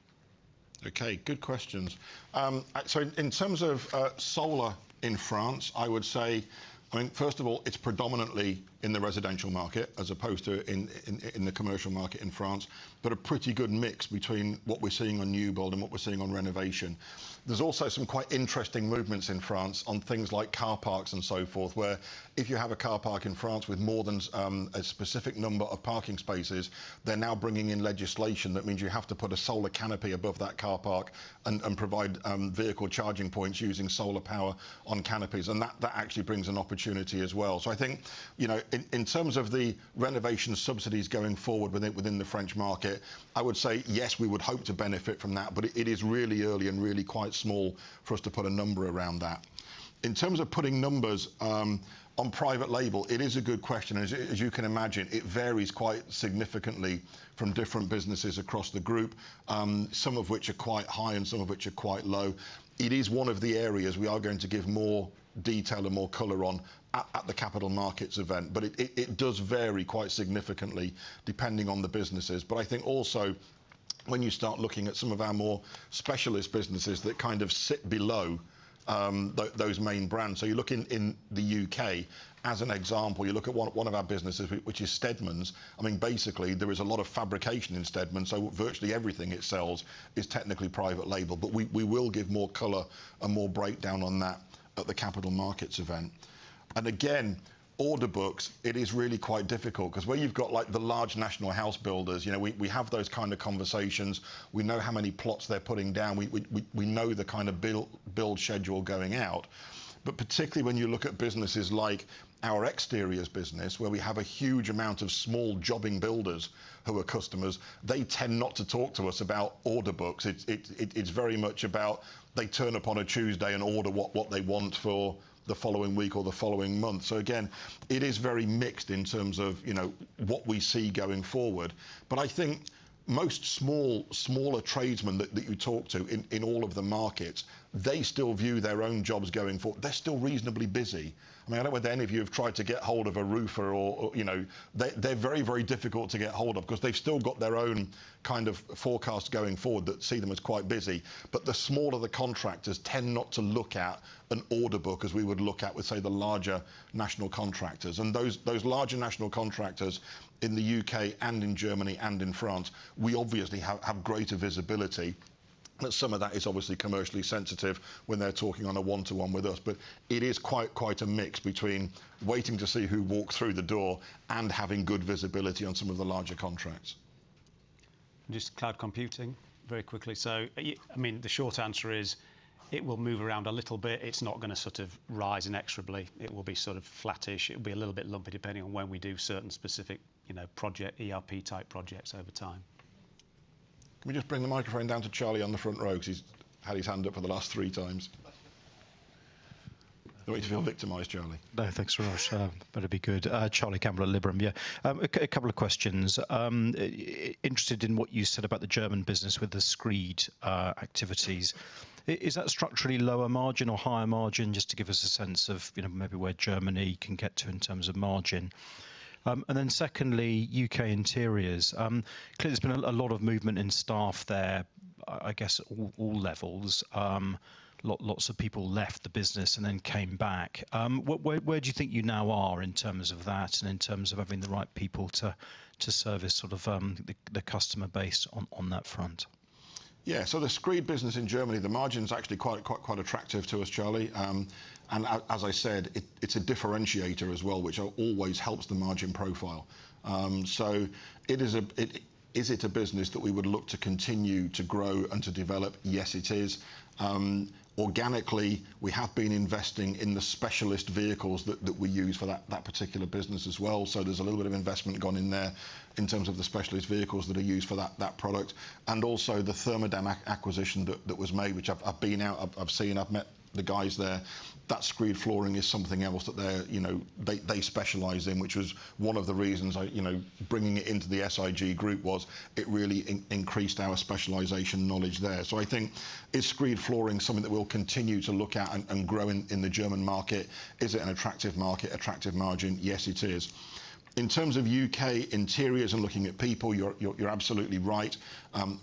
Good questions. In terms of solar in France, I would say, I mean, first of all, it's predominantly in the residential market, as opposed to in, in, in the commercial market in France, but a pretty good mix between what we're seeing on new build and what we're seeing on renovation. There's also some quite interesting movements in France on things like car parks and so forth, where if you have a car park in France with more than a specific number of parking spaces, they're now bringing in legislation that means you have to put a solar canopy above that car park and, and provide vehicle charging points using solar power on canopies, and that, that actually brings an opportunity as well. I think, you know, in, in terms of the renovation subsidies going forward within the French market, I would say, yes, we would hope to benefit from that, but it, it is really early and really quite small for us to put a number around that. In terms of putting numbers on private label, it is a good question, and as, as you can imagine, it varies quite significantly from different businesses across the group, some of which are quite high and some of which are quite low. It is one of the areas we are going to give more detail and more color on at, at the capital markets event. It does vary quite significantly depending on the businesses. I think also when you start looking at some of our more specialist businesses that kind of sit below, those main brands. You look in, in the U.K. as an example, you look at one, one of our businesses, which is Steadmans. I mean, basically, there is a lot of fabrication in Steadman, so virtually everything it sells is technically private label. We, we will give more color and more breakdown on that at the capital markets event. Again, order books, it is really quite difficult, 'cause where you've got, like, the large national house builders, you know, we, we have those kind of conversations. We know how many plots they're putting down. We know the kind of build, build schedule going out. Particularly when you look at businesses like our exteriors business, where we have a huge amount of small jobbing builders who are customers, they tend not to talk to us about order books. It's very much about they turn up on a Tuesday and order what they want for the following week or the following month. Again, it is very mixed in terms of, you know, what we see going forward. I think most small, smaller tradesmen that, that you talk to in, in all of the markets, they still view their own jobs going forward. They're still reasonably busy. I mean, I don't know whether any of you have tried to get hold of a roofer or, you know, they, they're very, very difficult to get hold of 'cause they've still got their own kind of forecast going forward that see them as quite busy. The smaller the contractors tend not to look at an order book as we would look at with, say, the larger national contractors. Those, those larger national contractors in the U.K. and in Germany and in France, we obviously have, have greater visibility, but some of that is obviously commercially sensitive when they're talking on a one-to-one with us. It is quite, quite a mix between waiting to see who walks through the door and having good visibility on some of the larger contracts. Just cloud computing, very quickly. I mean, the short answer is it will move around a little bit. It's not gonna sort of rise inexorably. It will be sort of flattish. It'll be a little bit lumpy, depending on when we do certain specific, you know, project, ERP-type projects over time. Can we just bring the microphone down to Charlie on the front row? 'Cause he's had his hand up for the last 3x. Don't want you to feel victimized, Charlie. No, thanks very much. Better be good. Charlie Campbell, Liberum, yeah. A couple of questions. Interested in what you said about the German business with the screed activities. Is that structurally lower margin or higher margin? Just to give us a sense of, you know, maybe where Germany can get to in terms of margin. Then secondly, U.K. interiors. Clearly, there's been a lot of movement in staff there, I guess at all, all levels. Lots of people left the business and then came back. What, where, where do you think you now are in terms of that and in terms of having the right people to, to service sort of, the, the customer base on, on that front? The screed business in Germany, the margin's actually quite, quite, quite attractive to us, Charlie. As, as I said, it, it's a differentiator as well, which always helps the margin profile. Is it a business that we would look to continue to grow and to develop? Yes, it is. Organically, we have been investing in the specialist vehicles that, that we use for that, that particular business as well. There's a little bit of investment gone in there in terms of the specialist vehicles that are used for that, that product, and also the Thermodämm acquisition that, that was made, which I've, I've been out, I've, I've seen, I've met the guys there. That screed flooring is something else that they're, you know, they, they specialize in, which was one of the reasons I, you know, bringing it into the SIG group was it really increased our specialization knowledge there. I think, is screed flooring something that we'll continue to look at and grow in the German market? Is it an attractive market, attractive margin? Yes, it is. In terms of U.K. interiors and looking at people, you're, you're, you're absolutely right.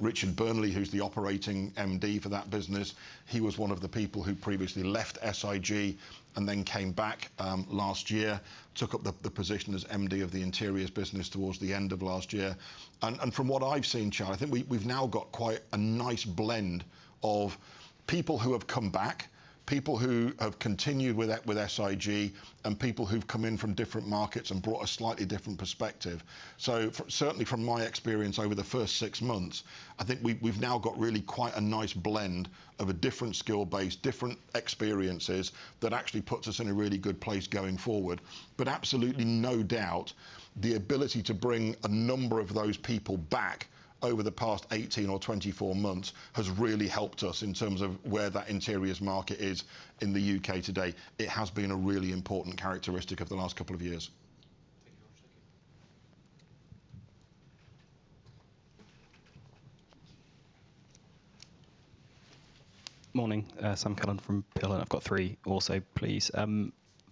Richard Burnley, who's the Operating MD for that business, he was one of the people who previously left SIG and then came back last year, took up the position as MD of the interiors business towards the end of last year. And from what I've seen, Charlie, I think we, we've now got quite a nice blend of people who have come back, people who have continued with that with SIG, and people who've come in from different markets and brought a slightly different perspective. Certainly from my experience over the first six months, I think we, we've now got really quite a nice blend of a different skill base, different experiences, that actually puts us in a really good place going forward. Absolutely no doubt, the ability to bring a number of those people back over the past 18 or 24 months has really helped us in terms of where that interiors market is in the U.K. today. It has been a really important characteristic of the last couple of years. Thank you very much. Morning. Sam Callan from Peel Hunt. I've got three also, please.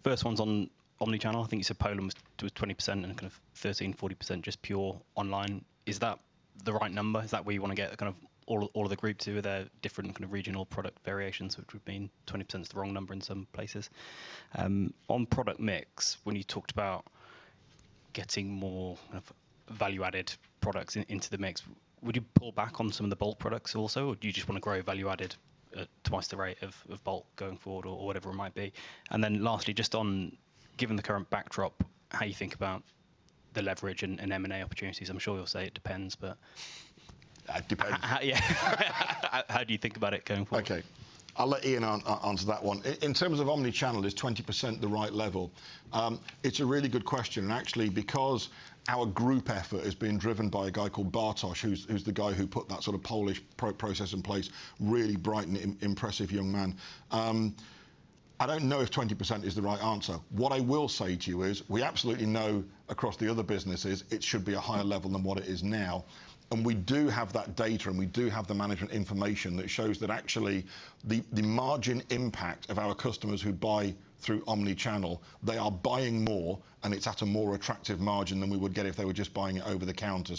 First one's on omni-channel. I think you said Poland was 20% and then kind of 13%-40% just pure online. Is that the right number? Is that where you want to get kind of all of the groups who are there, different and kind of regional product variations, which would mean 20% is the wrong number in some places? On product mix, when you talked about getting more of value-added products into the mix, would you pull back on some of the bulk products also? Do you just want to grow value-added at 2x the rate of bulk going forward or whatever it might be? Lastly, just on, given the current backdrop, how you think about the leverage and M&A opportunities? I'm sure you'll say it depends. It depends. Yeah. How do you think about it going forward? Okay, I'll let Ian answer that one. In terms of omni-channel, is 20% the right level? It's a really good question, and actually, because our group effort is being driven by a guy called Bartosz, who's the guy who put that sort of Polish process in place, really bright and impressive young man. I don't know if 20% is the right answer. What I will say to you is, we absolutely know across the other businesses, it should be a higher level than what it is now. We do have that data, and we do have the management information that shows that actually, the margin impact of our customers who buy through omni-channel, they are buying more, and it's at a more attractive margin than we would get if they were just buying it over the counter.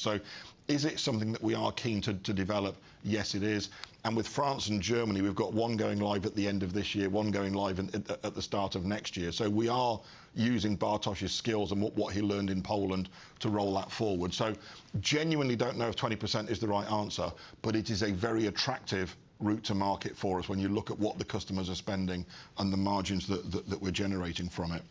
Is it something that we are keen to develop? Yes, it is. With France and Germany, we've got one going live at the end of this year, one going live at the start of next year. We are using Bartosz's skills and what he learned in Poland to roll that forward. Genuinely don't know if 20% is the right answer, but it is a very attractive route to market for us when you look at what the customers are spending and the margins that we're generating from it.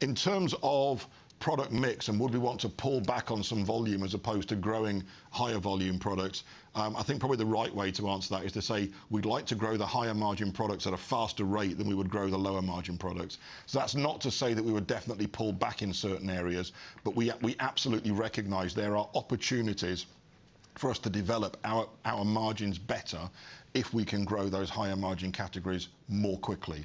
In terms of product mix and would we want to pull back on some volume as opposed to growing higher volume products, I think probably the right way to answer that is to say, we'd like to grow the higher margin products at a faster rate than we would grow the lower margin products. That's not to say that we would definitely pull back in certain areas, but we, we absolutely recognize there are opportunities for us to develop our, our margins better if we can grow those higher margin categories more quickly.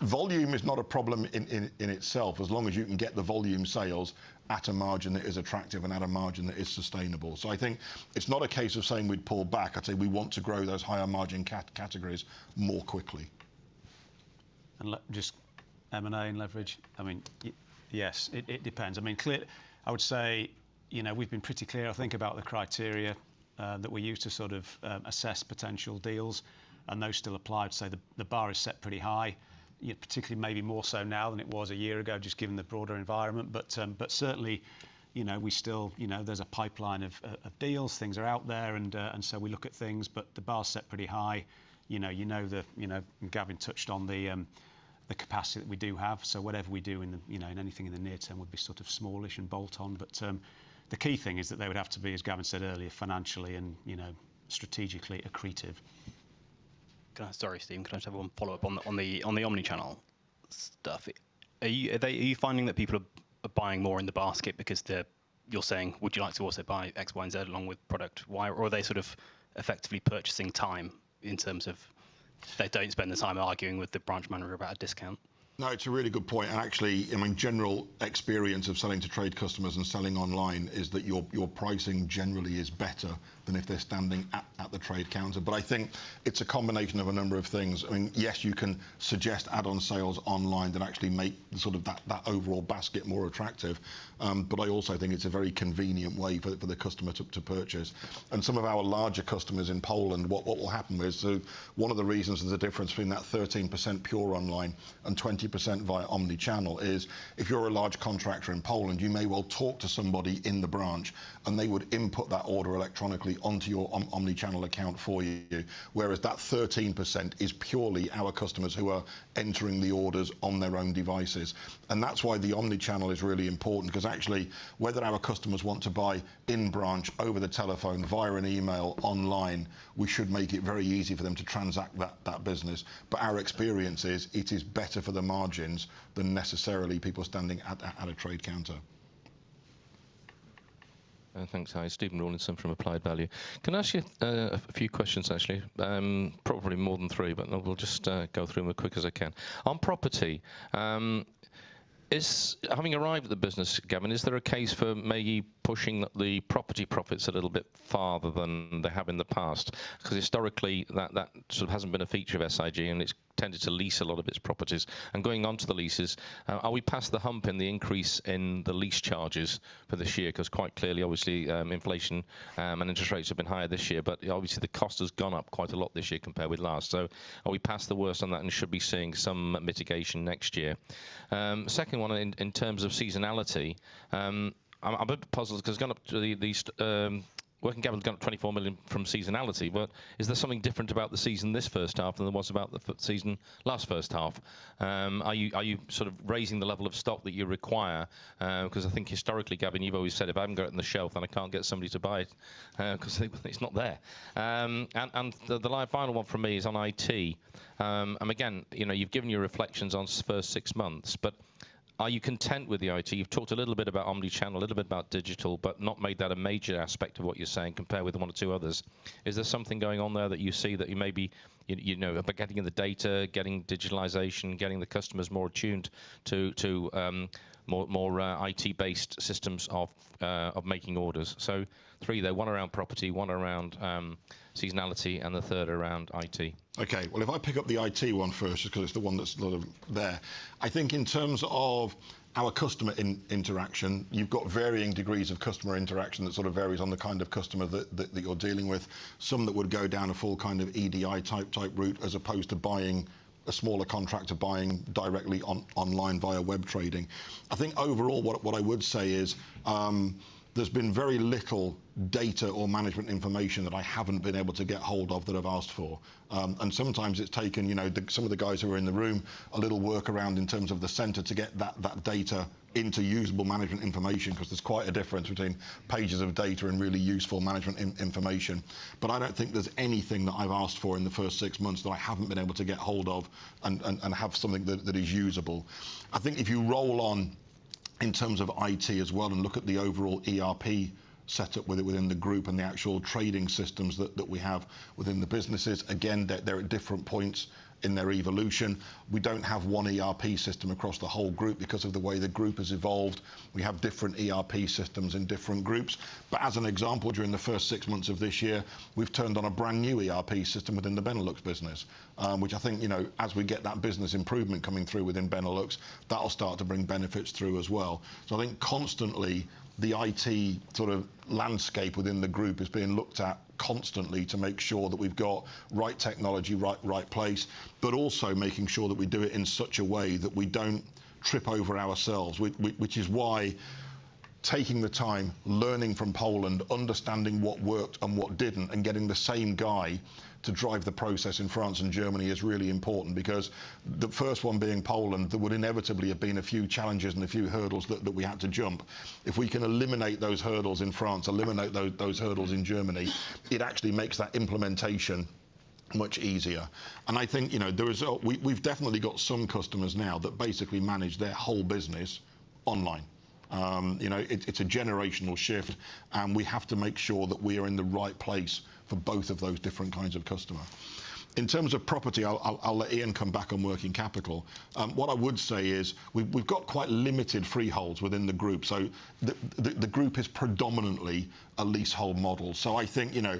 Volume is not a problem in, in, in itself, as long as you can get the volume sales at a margin that is attractive and at a margin that is sustainable. I think it's not a case of saying we'd pull back. I say we want to grow those higher margin categories more quickly. Just M&A and leverage? I mean, yes, it, it depends. I mean, I would say, you know, we've been pretty clear, I think, about the criteria that we use to sort of assess potential deals, and those still apply. I'd say the bar is set pretty high, yeah, particularly maybe more so now than it was a year ago, just given the broader environment. Certainly, you know, we still. You know, there's a pipeline of deals. Things are out there, so we look at things, but the bar is set pretty high. You know, Gavin touched on the capacity that we do have, so whatever we do in the, you know, in anything in the near term would be sort of smallish and bolt on. The key thing is that they would have to be, as Gavin said earlier, financially and, you know, strategically accretive. Sorry, Stephen, can I just have one follow-up on the, on the, on the omni-channel stuff? Are you finding that people are buying more in the basket because they're... You're saying, "Would you like to also buy X, Y, and Z along with product Y?" Or are they sort of effectively purchasing time in terms of they don't spend the time arguing with the branch manager about a discount? No, it's a really good point, and actually, I mean, general experience of selling to trade customers and selling online is that your, your pricing generally is better than if they're standing at, at the trade counter. I think it's a combination of a number of things. I mean, yes, you can suggest add-on sales online that actually make sort of that, that overall basket more attractive, but I also think it's a very convenient way for the, for the customer to, to purchase. Some of our larger customers in Poland, what, what will happen is, so one of the reasons there's a difference between that 13% pure online and 20% via omni-channel is, if you're a large contractor in Poland, you may well talk to somebody in the branch, and they would input that order electronically onto your omni-channel account for you, whereas that 13% is purely our customers who are entering the orders on their own devices. That's why the omni-channel is really important, because actually, whether our customers want to buy in branch, over the telephone, via an email, online, we should make it very easy for them to transact that, that business. Our experience is, it is better for the margins than necessarily people standing at a trade counter. Thanks. Hi, Stephen Rawlinson from Applied Value. Can I ask you a, a few questions, actually? Probably more than three, but I will just go through them as quick as I can. On property, is, having arrived at the business, Gavin, is there a case for maybe pushing the property profits a little bit farther than they have in the past? Historically, that, that sort of hasn't been a feature of SIG, and it's tended to lease a lot of its properties. Going onto the leases, are we past the hump in the increase in the lease charges for this year? Quite clearly, obviously, inflation, and interest rates have been higher this year, but obviously, the cost has gone up quite a lot this year compared with last. Are we past the worst on that and should be seeing some mitigation next year? Second one in, in terms of seasonality, I'm, I'm a bit puzzled because Working capital has gone up 24 million from seasonality, but is there something different about the season this first half than there was about the season last first half? Are you, are you sort of raising the level of stock that you require? Because I think historically, Gavin, you've always said, "If I haven't got it on the shelf, then I can't get somebody to buy it, 'cause it, it's not there." Final one from me is on IT. Again, you know, you've given your reflections on first six months, but are you content with the IT? You've talked a little bit about omni-channel, a little bit about digital, but not made that a major aspect of what you're saying, compared with one or two others. Is there something going on there that you see that you maybe, you, you know, by getting in the data, getting digitalization, getting the customers more attuned to, to, more, more, IT-based systems of, of making orders? Three there, one around property, one around seasonality, and the third around IT. Okay, well, if I pick up the IT one first, just because it's the one that's sort of there. I think in terms of our customer interaction, you've got varying degrees of customer interaction that sort of varies on the kind of customer that, that, that you're dealing with, some that would go down a full kind of EDI-type, type route, as opposed to buying, a smaller contractor buying directly online via web trading. I think overall, what, what I would say is, there's been very little data or management information that I haven't been able to get hold of that I've asked for. Sometimes it's taken, you know, the, some of the guys who are in the room, a little workaround in terms of the center to get that, that data into usable management information, because there's quite a difference between pages of data and really useful management information. I don't think there's anything that I've asked for in the first six months that I haven't been able to get hold of and, and, and have something that, that is usable. I think if you roll on in terms of IT as well and look at the overall ERP setup within, within the group and the actual trading systems that, that we have within the businesses, again, they're, they're at different points in their evolution. We don't have one ERP system across the whole group because of the way the group has evolved. We have different ERP systems in different groups. As an example, during the first six months of this year, we've turned on a brand-new ERP system within the Benelux business, which I think, you know, as we get that business improvement coming through within Benelux, that'll start to bring benefits through as well. I think constantly, the IT sort of landscape within the group is being looked at constantly to make sure that we've got right technology, right, right place, but also making sure that we do it in such a way that we don't trip over ourselves, which, which, which is why taking the time, learning from Poland, understanding what worked and what didn't, and getting the same guy to drive the process in France and Germany is really important because the first one being Poland, there would inevitably have been a few challenges and a few hurdles that, that we had to jump. If we can eliminate those hurdles in France, eliminate those hurdles in Germany, it actually makes that implementation much easier. I think, you know, the result, we, we've definitely got some customers now that basically manage their whole business online. You know, it's, it's a generational shift, and we have to make sure that we are in the right place for both of those different kinds of customer. In terms of property, I'll, I'll, I'll let Ian come back on working capital. What I would say is, we've, we've got quite limited freeholds within the group, so the, the, the group is predominantly a leasehold model. I think, you know,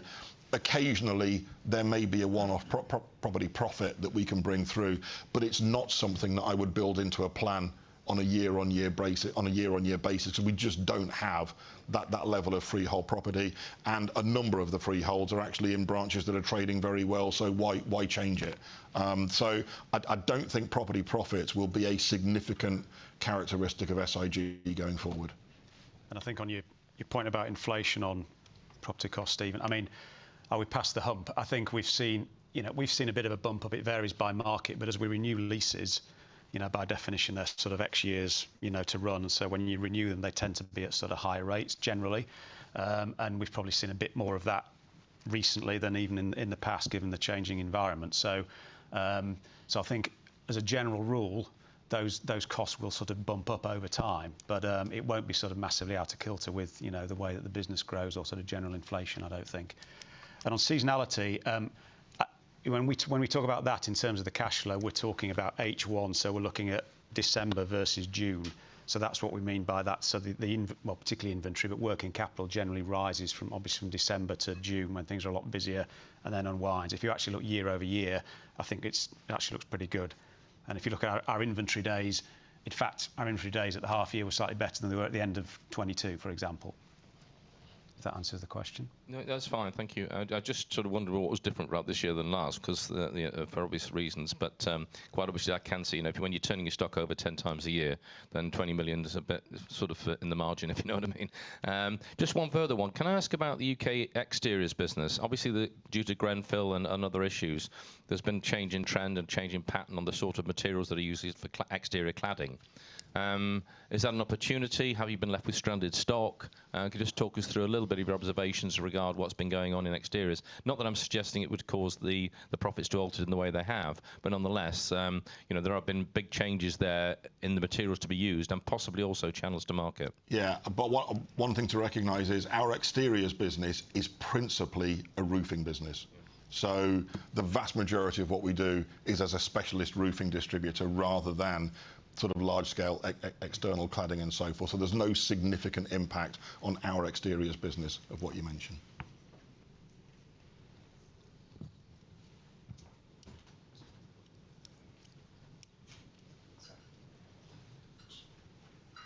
occasionally there may be a one-off property profit that we can bring through, but it's not something that I would build into a plan on a year-on-year basis, on a year-on-year basis. We just don't have that, that level of freehold property, and a number of the freeholds are actually in branches that are trading very well, so why, why change it? I, I don't think property profits will be a significant characteristic of SIG going forward. I think on your, your point about inflation on property costs, Steven, I mean, are we past the hump? I think we've seen. You know, we've seen a bit of a bump up. It varies by market, but as we renew leases, you know, by definition, they're sort of X years, you know, to run. When you renew them, they tend to be at sort of higher rates generally. We've probably seen a bit more of that recently than even in, in the past, given the changing environment. I think as a general rule, those, those costs will sort of bump up over time. It won't be sort of massively out of kilter with, you know, the way that the business grows or sort of general inflation, I don't think. On seasonality, when we, when we talk about that in terms of the cash flow, we're talking about H1, so we're looking at December versus June. That's what we mean by that. The, the in-- well, particularly inventory, but working capital generally rises from obviously from December to June, when things are a lot busier, and then unwinds. If you actually look year-over-year, I think it's, it actually looks pretty good. If you look at our, our inventory days, in fact, our inventory days at the half year were slightly better than they were at the end of 2022, for example. If that answers the question. No, that's fine. Thank you. I just sort of wondered what was different about this year than last, 'cause the, for obvious reasons. Quite obviously, I can see, you know, if when you're turning your stock over 10x a year, then 20 million is a bit sort of in the margin, if you know what I mean. Just one further one. Can I ask about the U.K. exteriors business? Obviously, the, due to Grenfell and, and other issues, there's been a change in trend and change in pattern on the sort of materials that are used for exterior cladding. Is that an opportunity? Have you been left with stranded stock? Could you just talk us through a little bit of your observations regard what's been going on in exteriors? Not that I'm suggesting it would cause the, the profits to alter in the way they have, but nonetheless, you know, there have been big changes there in the materials to be used and possibly also channels to market. Yeah, one thing to recognize is our exteriors business is principally a roofing business. The vast majority of what we do is as a specialist roofing distributor rather than sort of large-scale external cladding and so forth. There's no significant impact on our exteriors business of what you mentioned.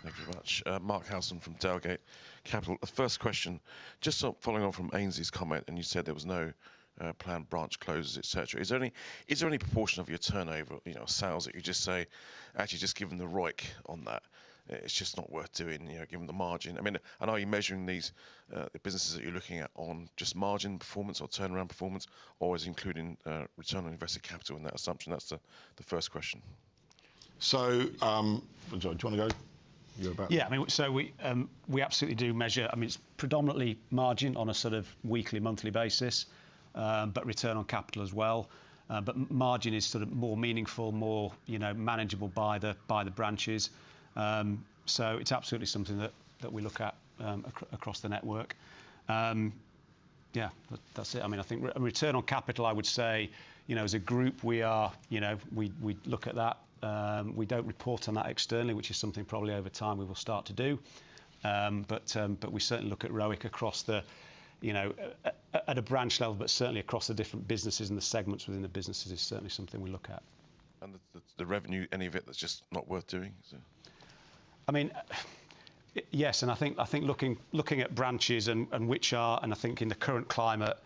Thank you very much. Mark Halson from Delgate Capital. The first question, just sort of following on from Ainslie's comment, you said there was no planned branch closures, et cetera. Is there any, is there any proportion of your turnover, you know, sales that you just say, "Actually just given the ROIC on that, it's just not worth doing, you know, given the margin?" I mean, are you measuring these, the businesses that you're looking at on just margin performance or turnaround performance, or is it including return on invested capital in that assumption? That's the, the first question. I'm sorry, do you want to go? You're about- I mean, so we, we absolutely do measure. I mean, it's predominantly margin on a sort of weekly, monthly basis, but return on capital as well. Margin is sort of more meaningful, more, you know, manageable by the, by the branches. It's absolutely something that, that we look at, across the network. That, that's it. I mean, I think return on capital, I would say, you know, as a group, we are, you know, we, we look at that. We don't report on that externally, which is something probably over time we will start to do. We certainly look at ROIC across the, you know, at, at, at a branch level, but certainly across the different businesses and the segments within the businesses, it's certainly something we look at. The, the, the revenue, any of it that's just not worth doing, so? I mean, yes, and I think, I think looking, looking at branches and, and which are... I think in the current climate,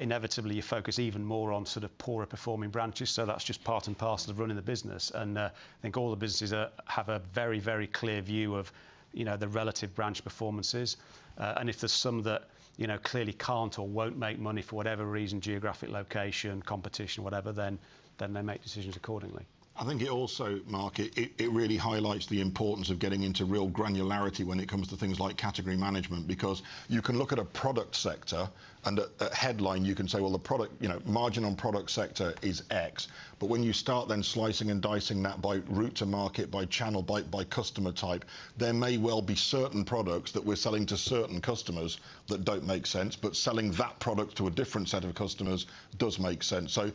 inevitably you focus even more on sort of poorer performing branches, so that's just part and parcel of running the business. I think all the businesses are, have a very, very clear view of, you know, the relative branch performances. If there's some that, you know, clearly can't or won't make money for whatever reason, geographic location, competition, whatever, then, then they make decisions accordingly. I think it also, Mark, it really highlights the importance of getting into real granularity when it comes to things like category management. You can look at a product sector and at headline, you can say, "Well, the product, you know, margin on product sector is X." When you start then slicing and dicing that by route to market, by channel, by, by customer type, there may well be certain products that we're selling to certain customers that don't make sense, but selling that product to a different set of customers does make sense. That,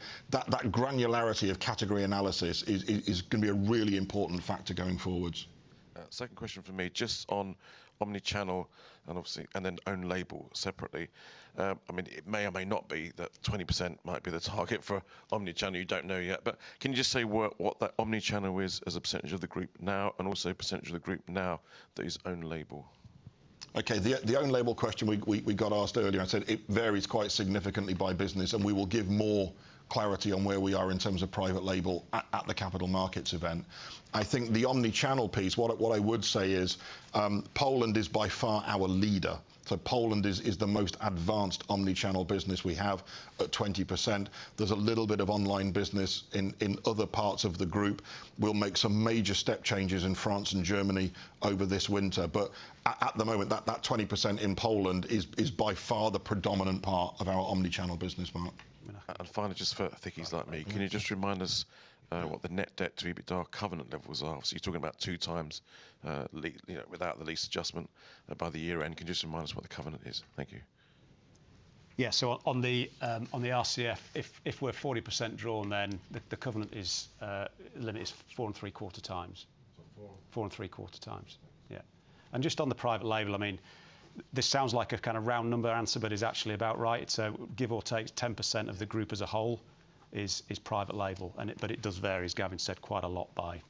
that granularity of category analysis is, is, is going to be a really important factor going forwards. Second question from me, just on omni-channel and obviously, and then own label separately. I mean, it may or may not be that 20% might be the target for omni-channel, you don't know yet. Can you just say where, what that omni-channel is as a percentage of the group now, and also percentage of the group now that is own label? Okay, the own label question we got asked earlier, I said it varies quite significantly by business, and we will give more clarity on where we are in terms of private label at the capital markets event. I think the omni-channel piece, what I would say is, Poland is by far our leader. Poland is the most advanced omni-channel business we have at 20%. There's a little bit of online business in other parts of the group. We'll make some major step changes in France and Germany over this winter, but at the moment, that 20% in Poland is by far the predominant part of our omni-channel business, Mark. Finally, just for thickies like me, can you just remind us what the net debt to EBITDA covenant level was? Obviously, you're talking about 2x, you know, without the lease adjustment, by the year-end. Can you just remind us what the covenant is? Thank you. Yeah, on, on the, on the RCF, if, if we're 40% drawn, then the, the covenant is, limit is 4.75x. So four- 4.75x. Yeah. Just on the private label, I mean, this sounds like a kind of round number answer, but it's actually about right. Give or take, 10% of the group as a whole is, is private label, but it does vary, as Gavin said, quite a lot by,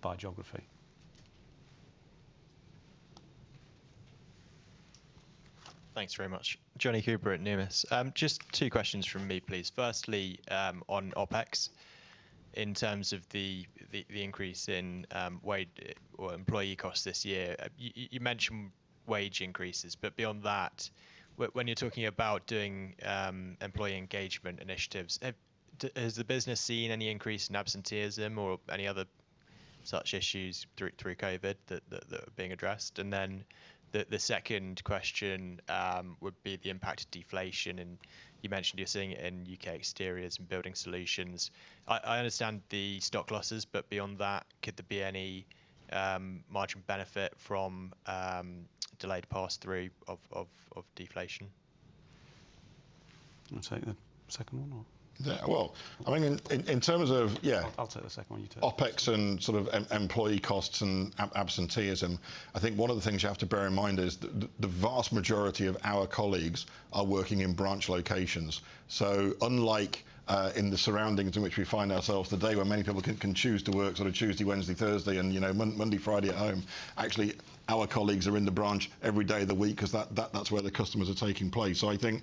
by geography. Thanks very much. Johnny Cooper at Numis. Just two questions from me, please. Firstly, on OpEx, in terms of the increase in wage or employee costs this year. You mentioned wage increases, but beyond that, when you're talking about doing employee engagement initiatives, has the business seen any increase in absenteeism or any other such issues through COVID that are being addressed? The second question would be the impact of deflation, and you mentioned you're seeing it in U.K. exteriors and building solutions. I understand the stock losses, but beyond that, could there be any marginal benefit from delayed pass-through of deflation? You want to take the second one or...? Yeah, well, I mean, in terms of. Yeah. I'll take the second one, you take OpEx and sort of employee costs and absenteeism, I think one of the things you have to bear in mind is the, the, the vast majority of our colleagues are working in branch locations. Unlike in the surroundings in which we find ourselves today, where many people can, can choose to work sort of Tuesday, Wednesday, Thursday, and, you know, Monday to Friday at home, actually, our colleagues are in the branch every day of the week 'cause that, that, that's where the customers are taking place. I think,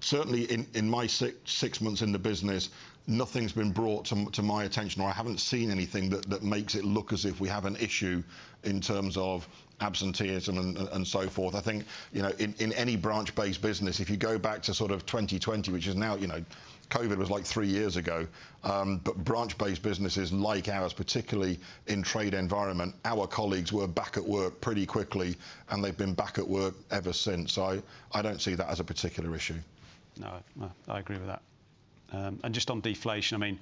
certainly in, in my six, six months in the business, nothing's been brought to to my attention, or I haven't seen anything that, that makes it look as if we have an issue in terms of absenteeism and, and so forth. I think, you know, in, in any branch-based business, if you go back to sort of 2020, which is now, you know, COVID was, like, three years ago, but branch-based businesses like ours, particularly in trade environment, our colleagues were back at work pretty quickly, and they've been back at work ever since. I, I don't see that as a particular issue. No, no, I agree with that. Just on deflation, I mean,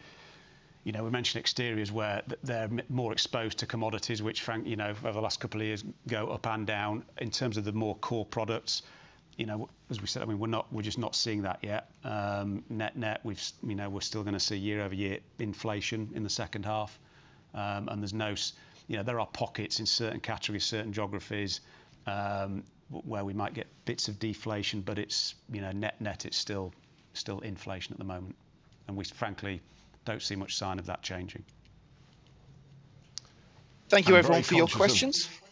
you know, we mentioned exteriors, where they're more exposed to commodities, which you know, over the last couple of years, go up and down. In terms of the more core products, you know, as we said, I mean, we're just not seeing that yet. Net-net, we've you know, we're still gonna see year-over-year inflation in the second half. There's no... You know, there are pockets in certain categories, certain geographies, where we might get bits of deflation, but it's, you know, net-net, it's still, still inflation at the moment. We frankly don't see much sign of that changing. Thank you, everyone, for your questions. I'm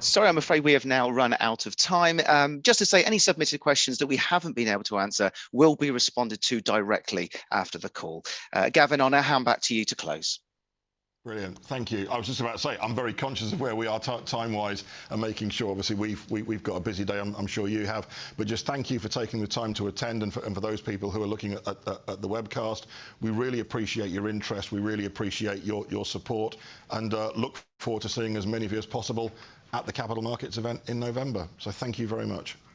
very conscious of. Sorry, I'm afraid we have now run out of time. Just to say, any submitted questions that we haven't been able to answer will be responded to directly after the call. Gavin, on that, hand back to you to close. Brilliant. Thank you. I was just about to say, I'm very conscious of where we are time-wise and making sure, obviously, we've got a busy day, and I'm sure you have. Just thank you for taking the time to attend, and for, and for those people who are looking at the webcast, we really appreciate your interest. We really appreciate your, your support and look forward to seeing as many of you as possible at the Capital Markets event in November. Thank you very much. Thank you.